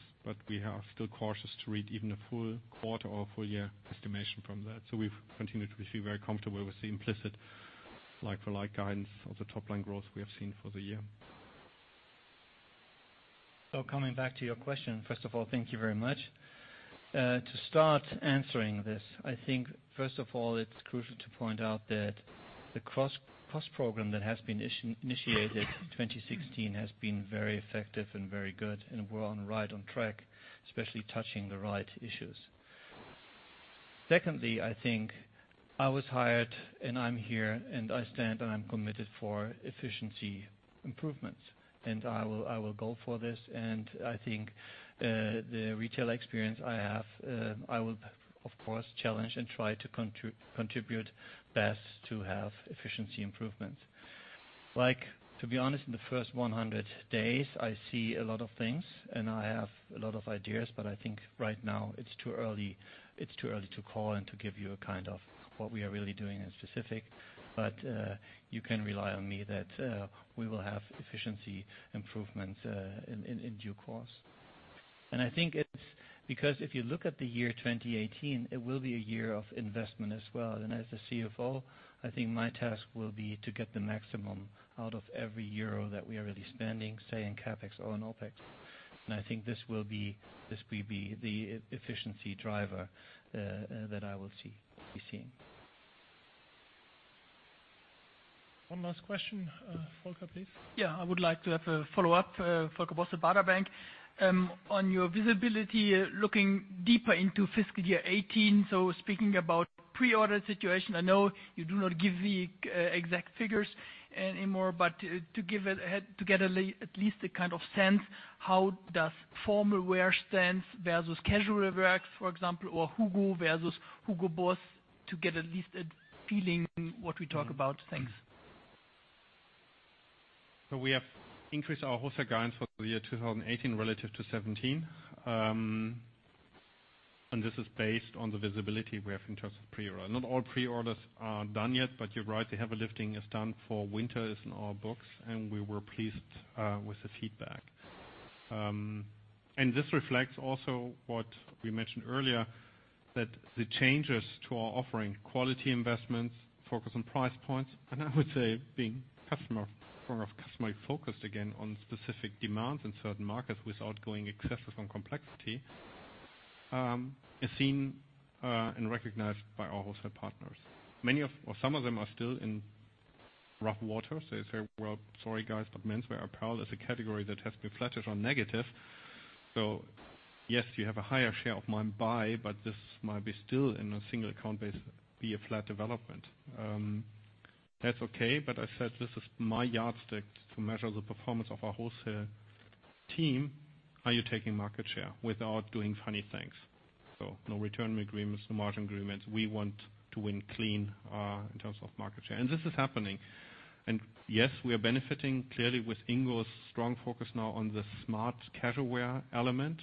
we are still cautious to read even a full quarter or full year estimation from that. We've continued to be very comfortable with the implicit like-for-like guidance of the top-line growth we have seen for the year. Coming back to your question, first of all, thank you very much. To start answering this, I think, first of all, it's crucial to point out that the cross program that has been initiated in 2016 has been very effective and very good, and we're right on track, especially touching the right issues. Secondly, I think I was hired and I'm here and I stand and I'm committed for efficiency improvements, and I will go for this. I think the retail experience I have, I will of course challenge and try to contribute best to have efficiency improvements. To be honest, in the first 100 days, I see a lot of things and I have a lot of ideas, but I think right now it's too early to call and to give you a kind of what we are really doing in specific. You can rely on me that we will have efficiency improvements in due course. I think it's because if you look at the year 2018, it will be a year of investment as well. As the CFO, I think my task will be to get the maximum out of every EUR that we are really spending, say, in CapEx or in OpEx. I think this will be the efficiency driver that I will be seeing. One last question. Volker, please. I would like to have a follow-up. Volker Bosse, Baader Bank. On your visibility, looking deeper into fiscal year 2018, so speaking about pre-order situation, I know you do not give the exact figures anymore, but to get at least a kind of sense, how does formal wear stands versus casual wear, for example, or HUGO versus BOSS, to get at least a feeling what we talk about. Thanks. We have increased our wholesale guidance for the year 2018 relative to 2017. This is based on the visibility we have in terms of pre-order. Not all pre-orders are done yet, but you are right, the heavy lifting is done for winter is in our books, and we were pleased with the feedback. This reflects also what we mentioned earlier, that the changes to our offering, quality investments, focus on price points, and I would say being customer-focused again on specific demands in certain markets without going excessive on complexity, is seen and recognized by our wholesale partners. Some of them are still in rough waters. They say, "Well, sorry, guys, but menswear apparel is a category that has been flattish or negative." Yes, you have a higher share of mind buy, but this might be still in a single account base, be a flat development. That is okay, but I said this is my yardstick to measure the performance of our wholesale team. Are you taking market share without doing funny things? No return agreements, no margin agreements. We want to win clean in terms of market share. This is happening. Yes, we are benefiting clearly with Ingo's strong focus now on the smart casual wear element,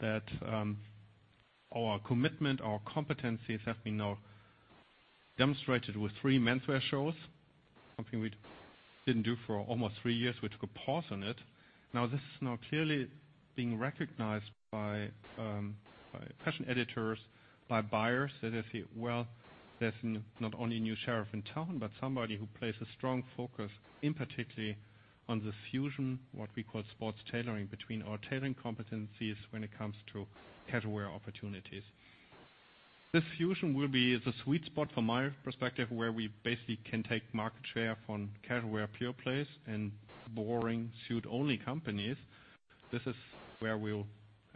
that our commitment, our competencies have been now demonstrated with three menswear shows. Something we did not do for almost three years. We took a pause on it. This is now clearly being recognized by fashion editors, by buyers. They now see, well, there is not only a new sheriff in town, but somebody who places strong focus in particularly on this fusion, what we call sports tailoring, between our tailoring competencies when it comes to casual wear opportunities. This fusion will be the sweet spot from my perspective, where we basically can take market share from casual wear pure plays and boring suit-only companies. This is where we will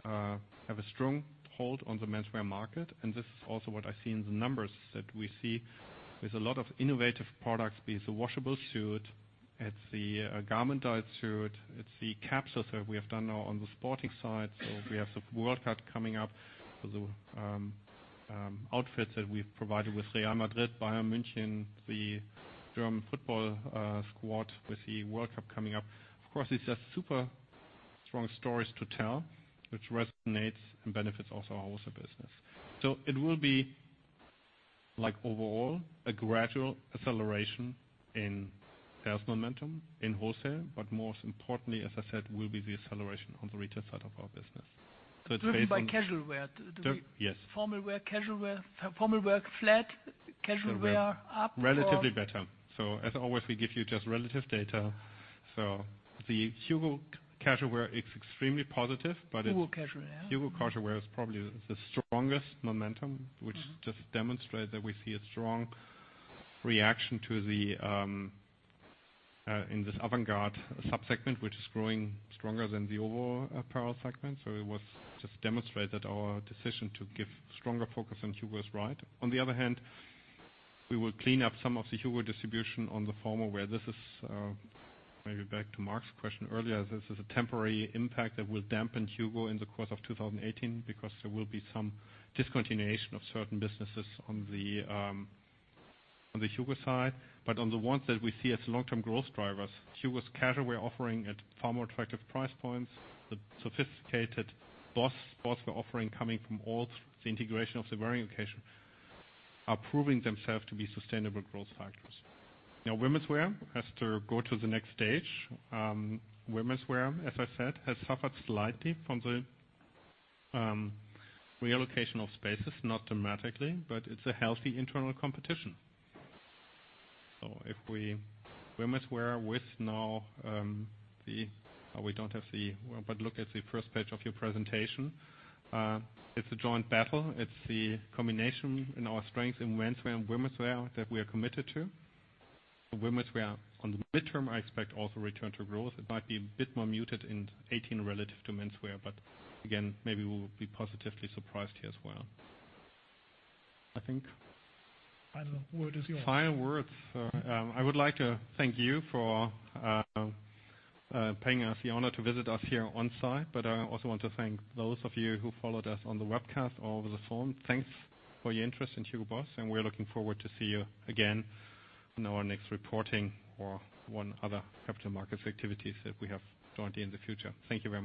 have a strong hold on the menswear market, this is also what I see in the numbers that we see. There is a lot of innovative products. Be it the washable suit, it is the garment-dyed suit. It is the capsules that we have done now on the sporting side. We have the World Cup coming up. The outfits that we have provided with Real Madrid, Bayern München, the German football squad with the World Cup coming up. Of course, these are super strong stories to tell, which resonates and benefits also our wholesale business. It will be overall a gradual acceleration in sales momentum in wholesale. Most importantly, as I said, will be the acceleration on the retail side of our business. It is based on. Driven by casual wear. Yes. Formal wear, casual wear. Formal wear flat, casual wear up or? Relatively better. As always, we give you just relative data. The HUGO casual wear is extremely positive. HUGO casual wear, yeah. HUGO casual wear is probably the strongest momentum, which just demonstrates that we see a strong reaction in this avant-garde subsegment, which is growing stronger than the overall apparel segment. It was just demonstrated our decision to give stronger focus on HUGO is right. On the other hand, we will clean up some of the HUGO distribution on the formal wear. This is, maybe back to Mark's question earlier, this is a temporary impact that will dampen HUGO in the course of 2018 because there will be some discontinuation of certain businesses on the HUGO side. But on the ones that we see as long-term growth drivers, HUGO's casual wear offering at far more attractive price points. The sophisticated BOSS sportswear offering coming from all the integration of the varying occasion are proving themselves to be sustainable growth factors. Now womenswear has to go to the next stage. Womenswear, as I said, has suffered slightly from the reallocation of spaces. Not dramatically, but it's a healthy internal competition. Womenswear look at the first page of your presentation. It's a joint battle. It's the combination in our strength in menswear and womenswear that we are committed to. For womenswear on the midterm, I expect also return to growth. It might be a bit more muted in 2018 relative to menswear, but again, maybe we will be positively surprised here as well. Final word is yours. Final words. I would like to thank you for paying us the honor to visit us here on-site, I also want to thank those of you who followed us on the webcast or over the phone. Thanks for your interest in Hugo Boss, we are looking forward to see you again on our next reporting or other capital markets activities that we have jointly in the future. Thank you very much.